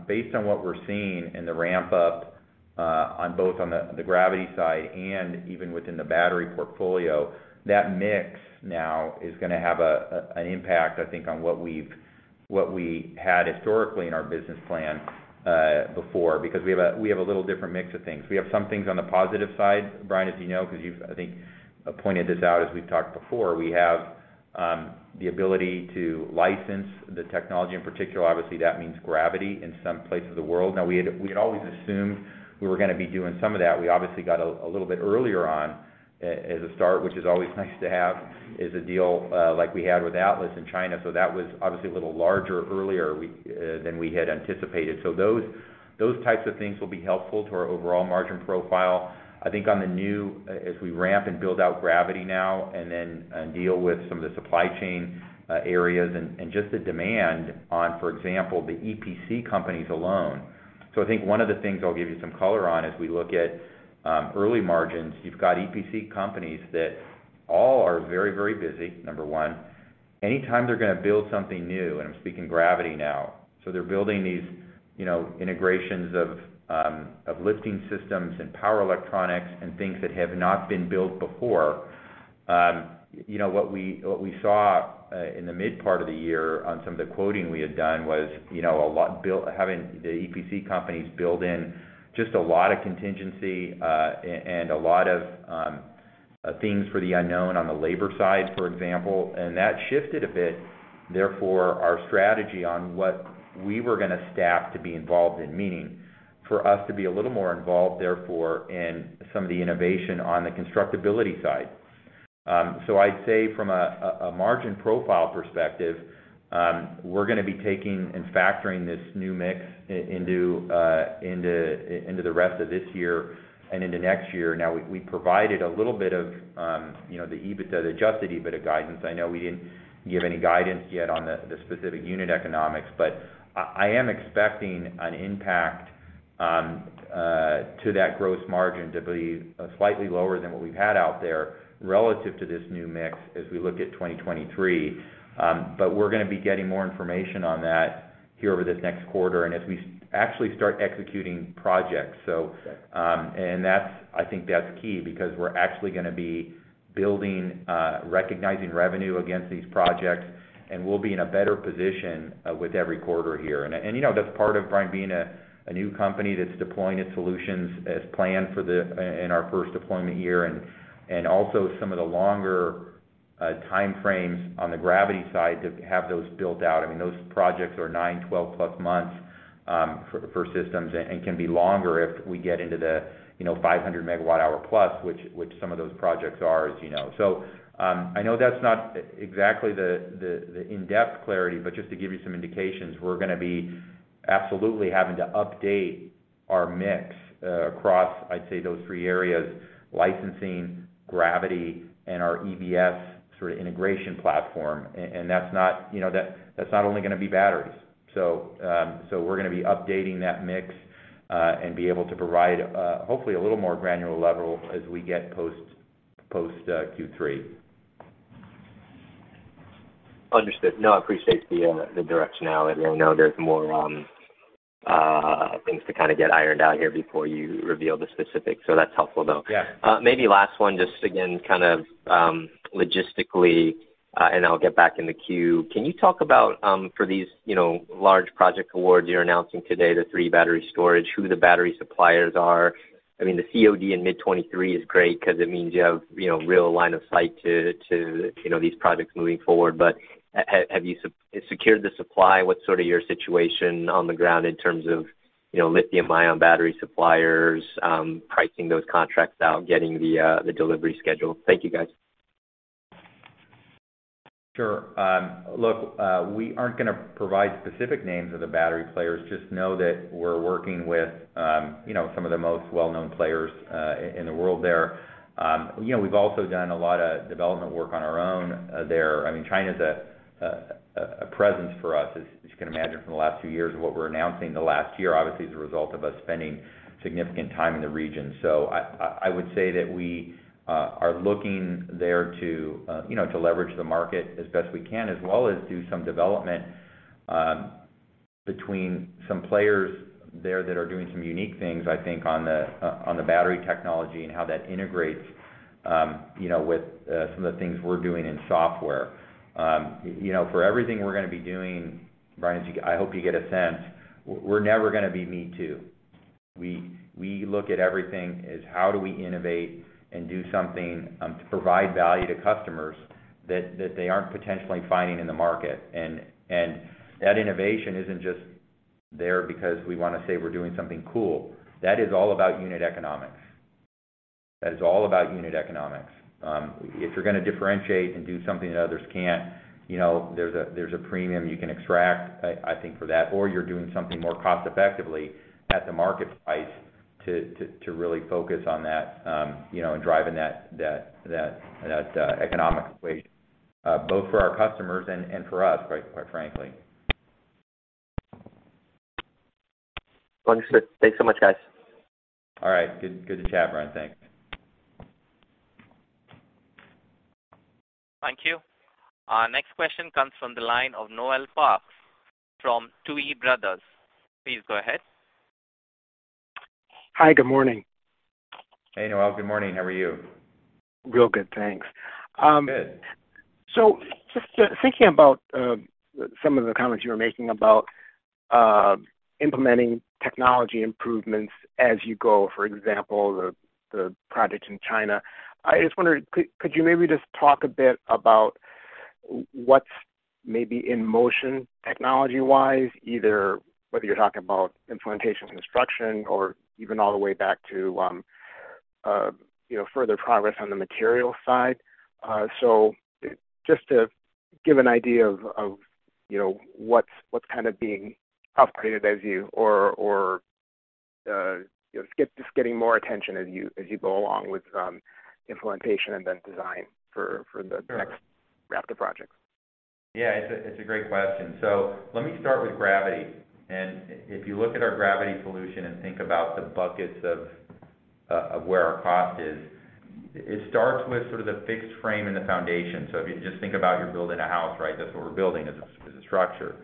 based on what we're seeing in the ramp-up, on both the gravity side and even within the battery portfolio, that mix now is gonna have an impact, I think, on what we had historically in our business plan, before, because we have a little different mix of things. We have some things on the positive side, Brian, as you know, 'cause you've, I think, pointed this out as we've talked before. We have the ability to license the technology in particular. Obviously, that means gravity in some places of the world. Now we had always assumed we were gonna be doing some of that. We obviously got a little bit earlier on as a start, which is always nice to have, is a deal like we had with Atlas in China. That was obviously a little larger earlier than we had anticipated. Those types of things will be helpful to our overall margin profile. I think on the new, as we ramp and build out gravity now and then, deal with some of the supply chain areas and just the demand on, for example, the EPC companies alone. I think one of the things I'll give you some color on as we look at early margins, you've got EPC companies that all are very busy, number one. Anytime they're gonna build something new, and I'm speaking gravity now, so they're building these, you know, integrations of lifting systems and power electronics and things that have not been built before. You know, what we saw in the mid part of the year on some of the quoting we had done was, you know, a lot, having the EPC companies build in just a lot of contingency, and a lot of things for the unknown on the labor side, for example. That shifted a bit, therefore, our strategy on what we were gonna staff to be involved in, meaning for us to be a little more involved, therefore, in some of the innovation on the constructability side. I'd say from a margin profile perspective, we're gonna be taking and factoring this new mix into the rest of this year and into next year. Now we provided a little bit of, you know, the EBITDA, the adjusted EBITDA guidance. I know we didn't give any guidance yet on the specific unit economics. I am expecting an impact to that gross margin to be slightly lower than what we've had out there relative to this new mix as we look at 2023. We're gonna be getting more information on that here over this next quarter and as we actually start executing projects. I think that's key because we're actually gonna be building, recognizing revenue against these projects, and we'll be in a better position with every quarter here. You know, that's part of, Brian, being a new company that's deploying its solutions as planned in our first deployment year and also some of the longer timeframes on the gravity side to have those built out. I mean, those projects are 9, 12+ months for systems, and can be longer if we get into the, you know, 500+ MWh, which some of those projects are, as you know. I know that's not exactly the in-depth clarity, but just to give you some indications, we're gonna be absolutely having to update our mix across, I'd say, those three areas, licensing, gravity, and our EVS sort of integration platform. That's not, you know, that's not only gonna be batteries. We're gonna be updating that mix and be able to provide, hopefully, a little more granular level as we get post Q3. Understood. No, I appreciate the directionality. I know there's more things to kind of get ironed out here before you reveal the specifics, so that's helpful though. Yeah. Maybe last one, just again, kind of, logistically, and I'll get back in the queue. Can you talk about, for these, you know, large project awards you're announcing today, the three battery storage, who the battery suppliers are? I mean, the COD in mid-2023 is great 'cause it means you have, you know, real line of sight to, you know, these projects moving forward. But have you secured the supply? What's sort of your situation on the ground in terms of, you know, lithium ion battery suppliers, pricing those contracts out, getting the delivery schedule? Thank you, guys. Sure. Look, we aren't gonna provide specific names of the battery players. Just know that we're working with, you know, some of the most well-known players in the world there. You know, we've also done a lot of development work on our own there. I mean, China's a presence for us, as you can imagine from the last few years. What we're announcing the last year, obviously, is a result of us spending significant time in the region. I would say that we are looking there to you know to leverage the market as best we can, as well as do some development between some players there that are doing some unique things, I think, on the battery technology and how that integrates you know with some of the things we're doing in software. You know, for everything we're gonna be doing, Brian, I hope you get a sense, we're never gonna be me too. We look at everything as how do we innovate and do something to provide value to customers that they aren't potentially finding in the market. That innovation isn't just there because we wanna say we're doing something cool. That is all about unit economics. That is all about unit economics. If you're gonna differentiate and do something that others can't, you know, there's a premium you can extract, I think, for that, or you're doing something more cost effectively at the market price to really focus on that, you know, and driving that economic equation, both for our customers and for us, quite frankly. Understood. Thanks so much, guys. All right. Good, good to chat, Brian. Thanks. Thank you. Our next question comes from the line of Noel Parks from Tuohy Brothers. Please go ahead. Hi, good morning. Hey, Noel. Good morning. How are you? Real good, thanks. Good. Just thinking about some of the comments you were making about implementing technology improvements as you go, for example, the project in China. I just wondered, could you maybe just talk a bit about what's maybe in motion technology-wise, either whether you're talking about implementation and construction or even all the way back to you know, further progress on the material side. Just to give an idea of you know, what's kind of being upgraded as you just getting more attention as you go along with implementation and then design for the next. Sure raft of projects. Yeah, it's a great question. Let me start with Gravity. If you look at our Gravity solution and think about the buckets of where our cost is, it starts with sort of the fixed frame and the foundation. If you just think about you're building a house, right? That's what we're building, is a structure.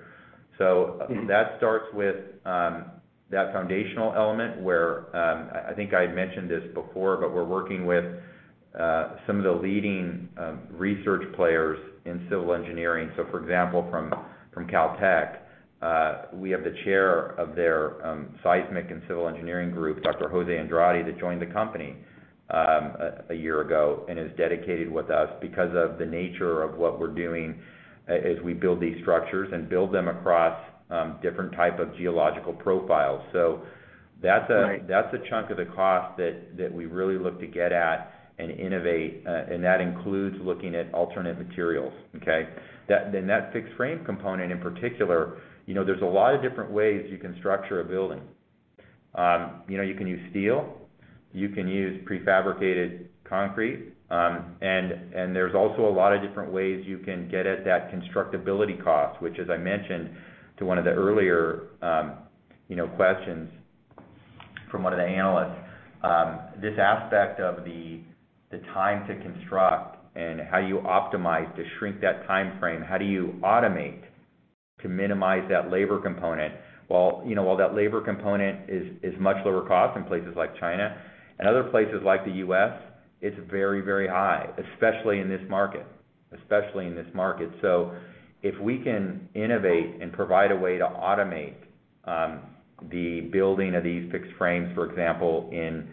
That starts with that foundational element where I think I mentioned this before, but we're working with some of the leading research players in civil engineering. For example, from Caltech, we have the chair of their seismic and civil engineering group, Dr. José Andrade that joined the company a year ago and is dedicated with us because of the nature of what we're doing as we build these structures and build them across different type of geological profiles. Right. That's a chunk of the cost that we really look to get at and innovate, and that includes looking at alternate materials, okay? That and that fixed frame component in particular, you know, there's a lot of different ways you can structure a building. You know, you can use steel, you can use prefabricated concrete, and there's also a lot of different ways you can get at that constructability cost, which as I mentioned to one of the earlier questions from one of the analysts, this aspect of the time to construct and how you optimize to shrink that timeframe. How do you automate to minimize that labor component? While that labor component is much lower cost in places like China and other places like the US, it's very, very high, especially in this market, especially in this market. So if we can innovate and provide a way to automate the building of these fixed frames, for example, in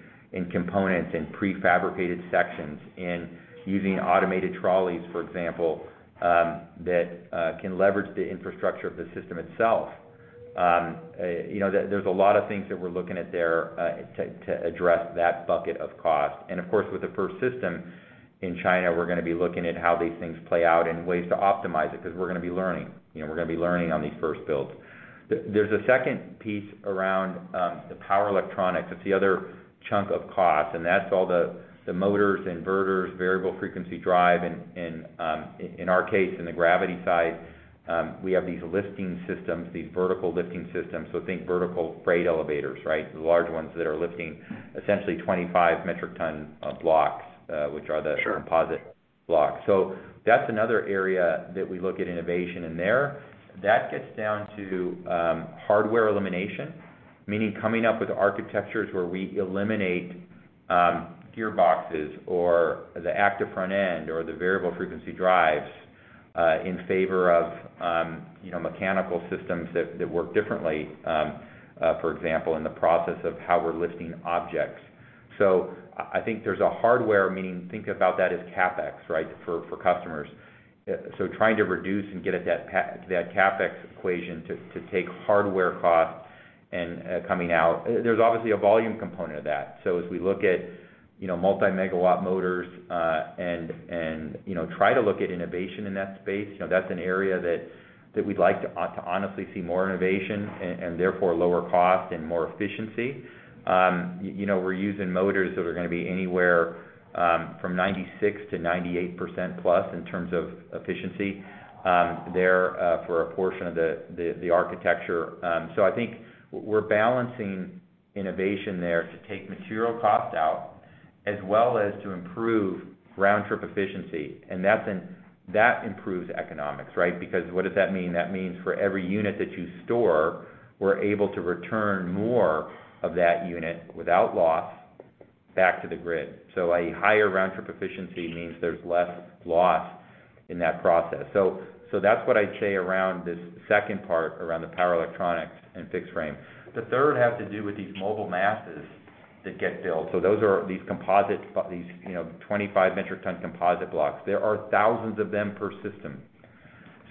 components and prefabricated sections, in using automated trolleys, for example, that can leverage the infrastructure of the system itself. You know, there's a lot of things that we're looking at there to address that bucket of cost. Of course, with the first system in China, we're gonna be looking at how these things play out and ways to optimize it 'cause we're gonna be learning. You know, we're gonna be learning on these first builds. There's a second piece around the power electronics. That's the other chunk of cost, and that's all the motors, inverters, variable frequency drive. In our case, in the gravity side, we have these lifting systems, these vertical lifting systems. So think vertical freight elevators, right? The large ones that are lifting essentially 25 metric ton blocks, which are the- Sure composite blocks. That's another area that we look at innovation in there. That gets down to hardware elimination, meaning coming up with architectures where we eliminate gearboxes or the active front end or the variable frequency drives in favor of you know mechanical systems that that work differently for example in the process of how we're lifting objects. I think there's a hardware, meaning think about that as CapEx, right, for customers. Trying to reduce and get at that CapEx equation to take hardware costs and coming out. There's obviously a volume component of that. As we look at, you know, multi-megawatt motors, and you know, try to look at innovation in that space, you know, that's an area that we'd like to honestly see more innovation and therefore lower cost and more efficiency. You know, we're using motors that are gonna be anywhere from 96%-98% plus in terms of efficiency, there, for a portion of the architecture. I think we're balancing innovation there to take material costs out as well as to improve round-trip efficiency. And that improves economics, right? Because what does that mean? That means for every unit that you store, we're able to return more of that unit without loss back to the grid. A higher round-trip efficiency means there's less loss in that process. That's what I'd say around this second part, around the power electronics and fixed frame. The third has to do with these mobile masses that get built. Those are these composite 25-metric-ton composite blocks. There are thousands of them per system.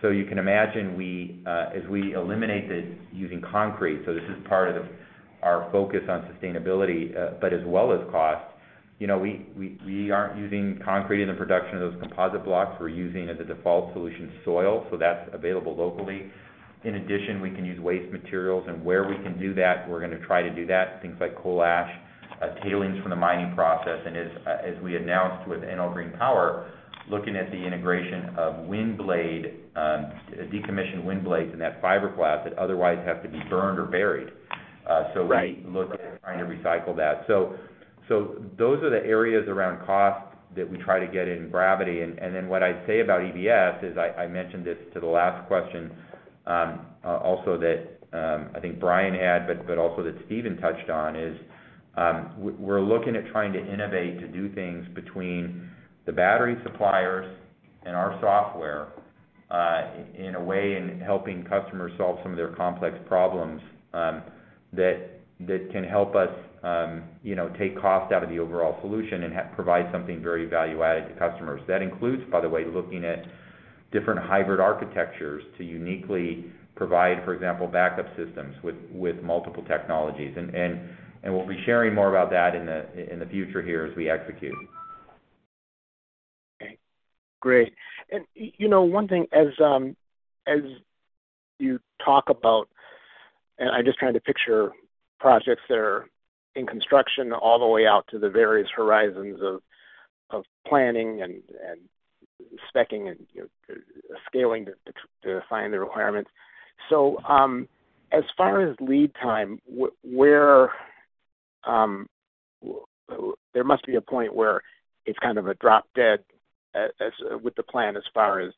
You can imagine we as we eliminate the using concrete, this is part of our focus on sustainability, but as well as cost. We aren't using concrete in the production of those composite blocks. We're using as a default solution soil, so that's available locally. In addition, we can use waste materials, and where we can do that, we're gonna try to do that, things like coal ash, tailings from the mining process. As we announced with Enel Green Power, looking at the integration of wind blade, decommissioned wind blades and that fiberglass that otherwise have to be burned or buried. Right look at trying to recycle that. Those are the areas around cost that we try to get in gravity. Then what I'd say about EVS is I mentioned this to the last question, also that I think Brian had, but also that Stephen touched on, is we're looking at trying to innovate to do things between the battery suppliers and our software, in a way in helping customers solve some of their complex problems, that can help us, you know, take cost out of the overall solution and provide something very value-added to customers. That includes, by the way, looking at different hybrid architectures to uniquely provide, for example, backup systems with multiple technologies. We'll be sharing more about that in the future here as we execute. Okay. Great. You know, one thing as you talk about, and I'm just trying to picture projects that are in construction all the way out to the various horizons of planning and spec-ing and, you know, scaling to find the requirements. As far as lead time, where there must be a point where it's kind of a drop dead as with the plan as far as,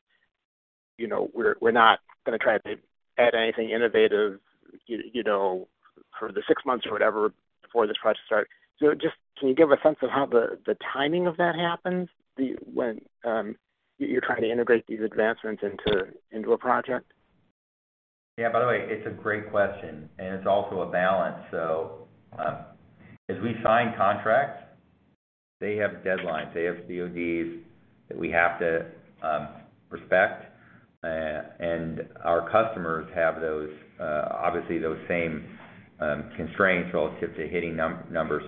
you know, we're not gonna try to add anything innovative, you know, for the six months or whatever before this project starts. Just can you give a sense of how the timing of that happens, when you're trying to integrate these advancements into a project? Yeah. By the way, it's a great question, and it's also a balance. As we sign contracts, they have deadlines, they have CODs that we have to respect. Our customers have those, obviously those same constraints relative to hitting numbers.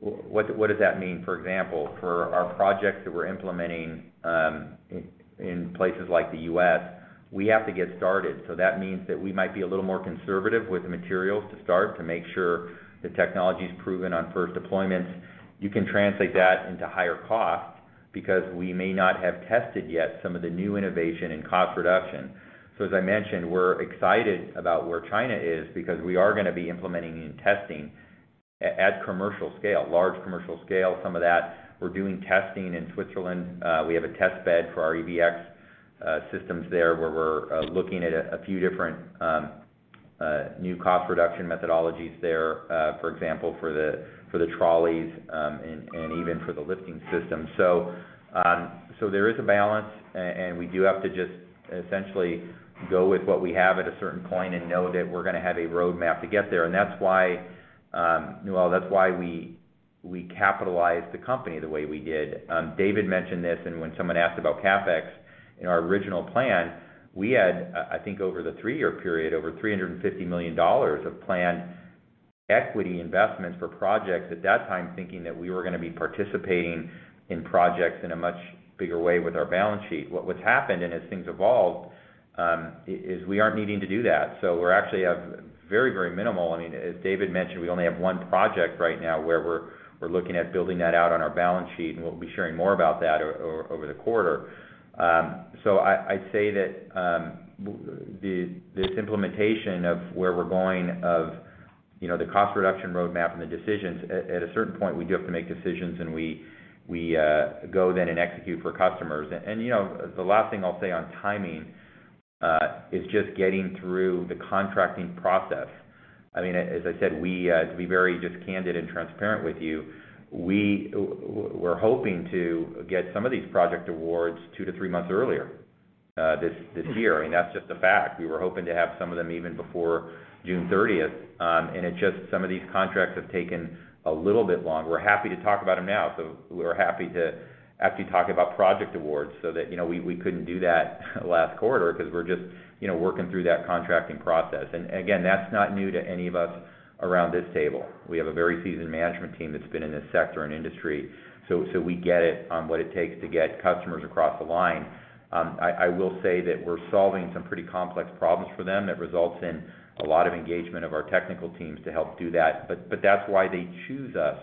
What does that mean? Fo r example, for our projects that we're implementing, in places like the U.S., we have to get started. That means that we might be a little more conservative with the materials to start to make sure the technology's proven on first deployments. You can translate that into higher cost because we may not have tested yet some of the new innovation and cost reduction. As I mentioned, we're excited about where China is because we are gonna be implementing and testing at commercial scale, large commercial scale. Some of that we're doing testing in Switzerland. We have a test bed for our EVX systems there, where we're looking at a few different new cost reduction methodologies there, for example, for the trolleys, and even for the lifting system. There is a balance, and we do have to just essentially go with what we have at a certain point and know that we're gonna have a roadmap to get there. That's why, Noel, that's why we capitalized the company the way we did. David mentioned this, and when someone asked about CapEx in our original plan, we had, I think over the 3-year period, over $350 million of planned equity investments for projects at that time, thinking that we were gonna be participating in projects in a much bigger way with our balance sheet. What has happened, and as things evolved, is we aren't needing to do that. So we actually have very, very minimal. I mean, as David mentioned, we only have one project right now where we're looking at building that out on our balance sheet, and we'll be sharing more about that over the quarter. I'd say that this implementation of where we're going, you know, the cost reduction roadmap and the decisions, at a certain point, we do have to make decisions and we go then and execute for customers. You know, the last thing I'll say on timing is just getting through the contracting process. I mean, as I said, to be very just candid and transparent with you, we were hoping to get some of these project awards 2 month-3 months earlier this year. I mean, that's just a fact. We were hoping to have some of them even before June 30th. It's just some of these contracts have taken a little bit longer. We're happy to talk about them now. We're happy to actually talk about project awards so that, you know, we couldn't do that last quarter 'cause we're just, you know, working through that contracting process. Again, that's not new to any of us around this table. We have a very seasoned management team that's been in this sector and industry, so we get it on what it takes to get customers across the line. I will say that we're solving some pretty complex problems for them. That results in a lot of engagement of our technical teams to help do that. That's why they choose us,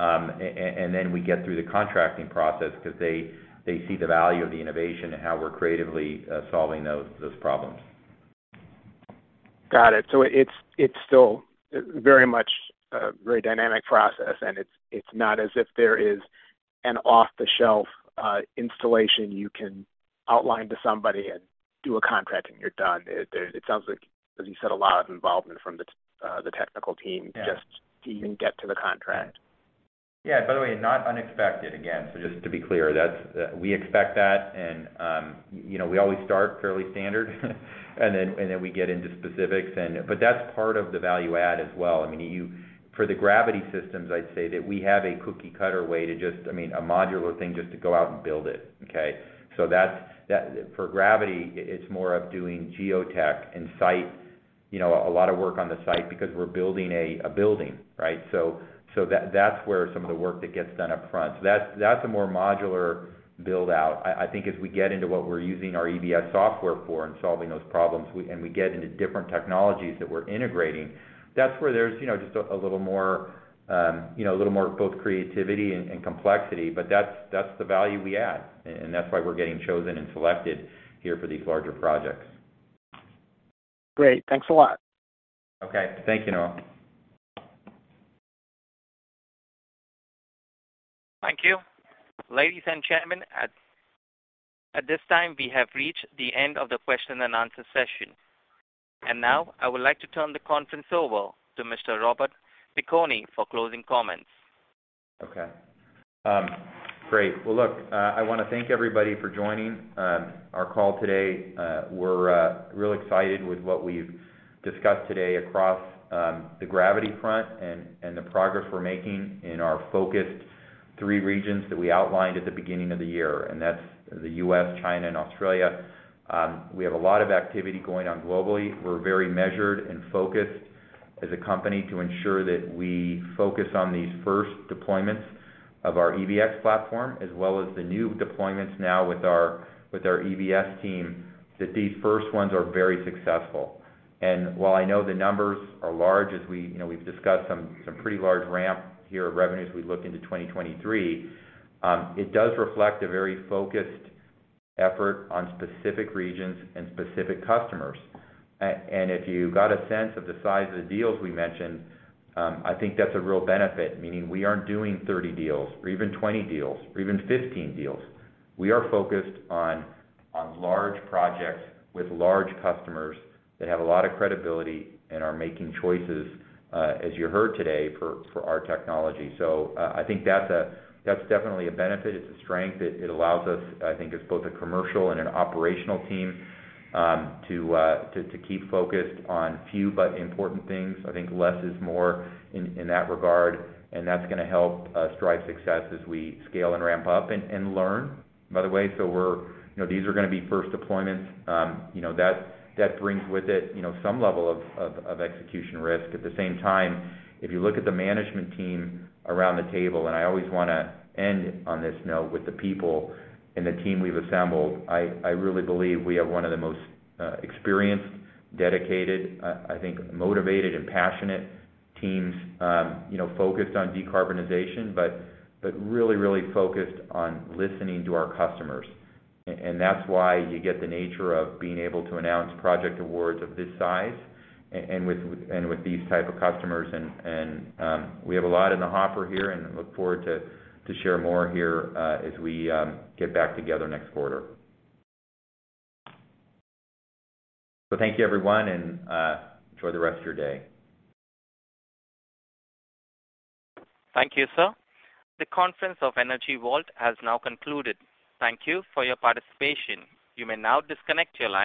and then we get through the contracting process 'cause they see the value of the innovation and how we're creatively solving those problems. Got it. It's still very much a very dynamic process, and it's not as if there is an off-the-shelf installation you can outline to somebody and do a contract, and you're done. It sounds like, as you said, a lot of involvement from the technical team. Yeah. just to even get to the contract. Yeah. By the way, not unexpected, again, so just to be clear, we expect that and, you know, we always start fairly standard, and then we get into specifics. That's part of the value add as well. I mean, for the Gravity systems, I'd say that we have a cookie-cutter way to just, I mean, a modular thing just to go out and build it, okay? That's. For Gravity, it's more of doing geotech and site, you know, a lot of work on the site because we're building a building, right? That's where some of the work that gets done upfront. That's a more modular build out. I think as we get into what we're using our EVS software for in solving those problems, we get into different technologies that we're integrating, that's where there's, you know, just a little more, you know, a little more both creativity and complexity. But that's the value we add, and that's why we're getting chosen and selected here for these larger projects. Great. Thanks a lot. Okay. Thank you, Noel. Thank you. Ladies and gentlemen, at this time, we have reached the end of the question and answer session. Now, I would like to turn the conference over to Mr. Robert Piconi for closing comments. Okay. Great. Well, look, I wanna thank everybody for joining our call today. We're really excited with what we've discussed today across the Gravity front and the progress we're making in our focused three regions that we outlined at the beginning of the year, and that's the US, China, and Australia. We have a lot of activity going on globally. We're very measured and focused as a company to ensure that we focus on these first deployments of our EVx platform, as well as the new deployments now with our EVS team, that these first ones are very successful. While I know the numbers are large as we, you know, we've discussed some pretty large ramp here of revenues as we look into 2023, it does reflect a very focused effort on specific regions and specific customers. And if you got a sense of the size of the deals we mentioned, I think that's a real benefit, meaning we aren't doing 30 deals or even 20 deals or even 15 deals. We are focused on large projects with large customers that have a lot of credibility and are making choices, as you heard today, for our technology. So, I think that's definitely a benefit. It's a strength. It allows us, I think, as both a commercial and an operational team, to keep focused on few but important things. I think less is more in that regard, and that's gonna help us drive success as we scale and ramp up and learn, by the way. You know, these are gonna be first deployments. You know, that brings with it, you know, some level of execution risk. At the same time, if you look at the management team around the table, I always wanna end on this note with the people and the team we've assembled. I really believe we have one of the most experienced, dedicated, I think motivated and passionate teams, you know, focused on decarbonization, but really focused on listening to our customers. That's why you get the nature of being able to announce project awards of this size and with these type of customers. We have a lot in the hopper here and look forward to share more here as we get back together next quarter. Thank you, everyone, and enjoy the rest of your day. Thank you, sir. The conference of Energy Vault has now concluded. Thank you for your participation. You may now disconnect your line.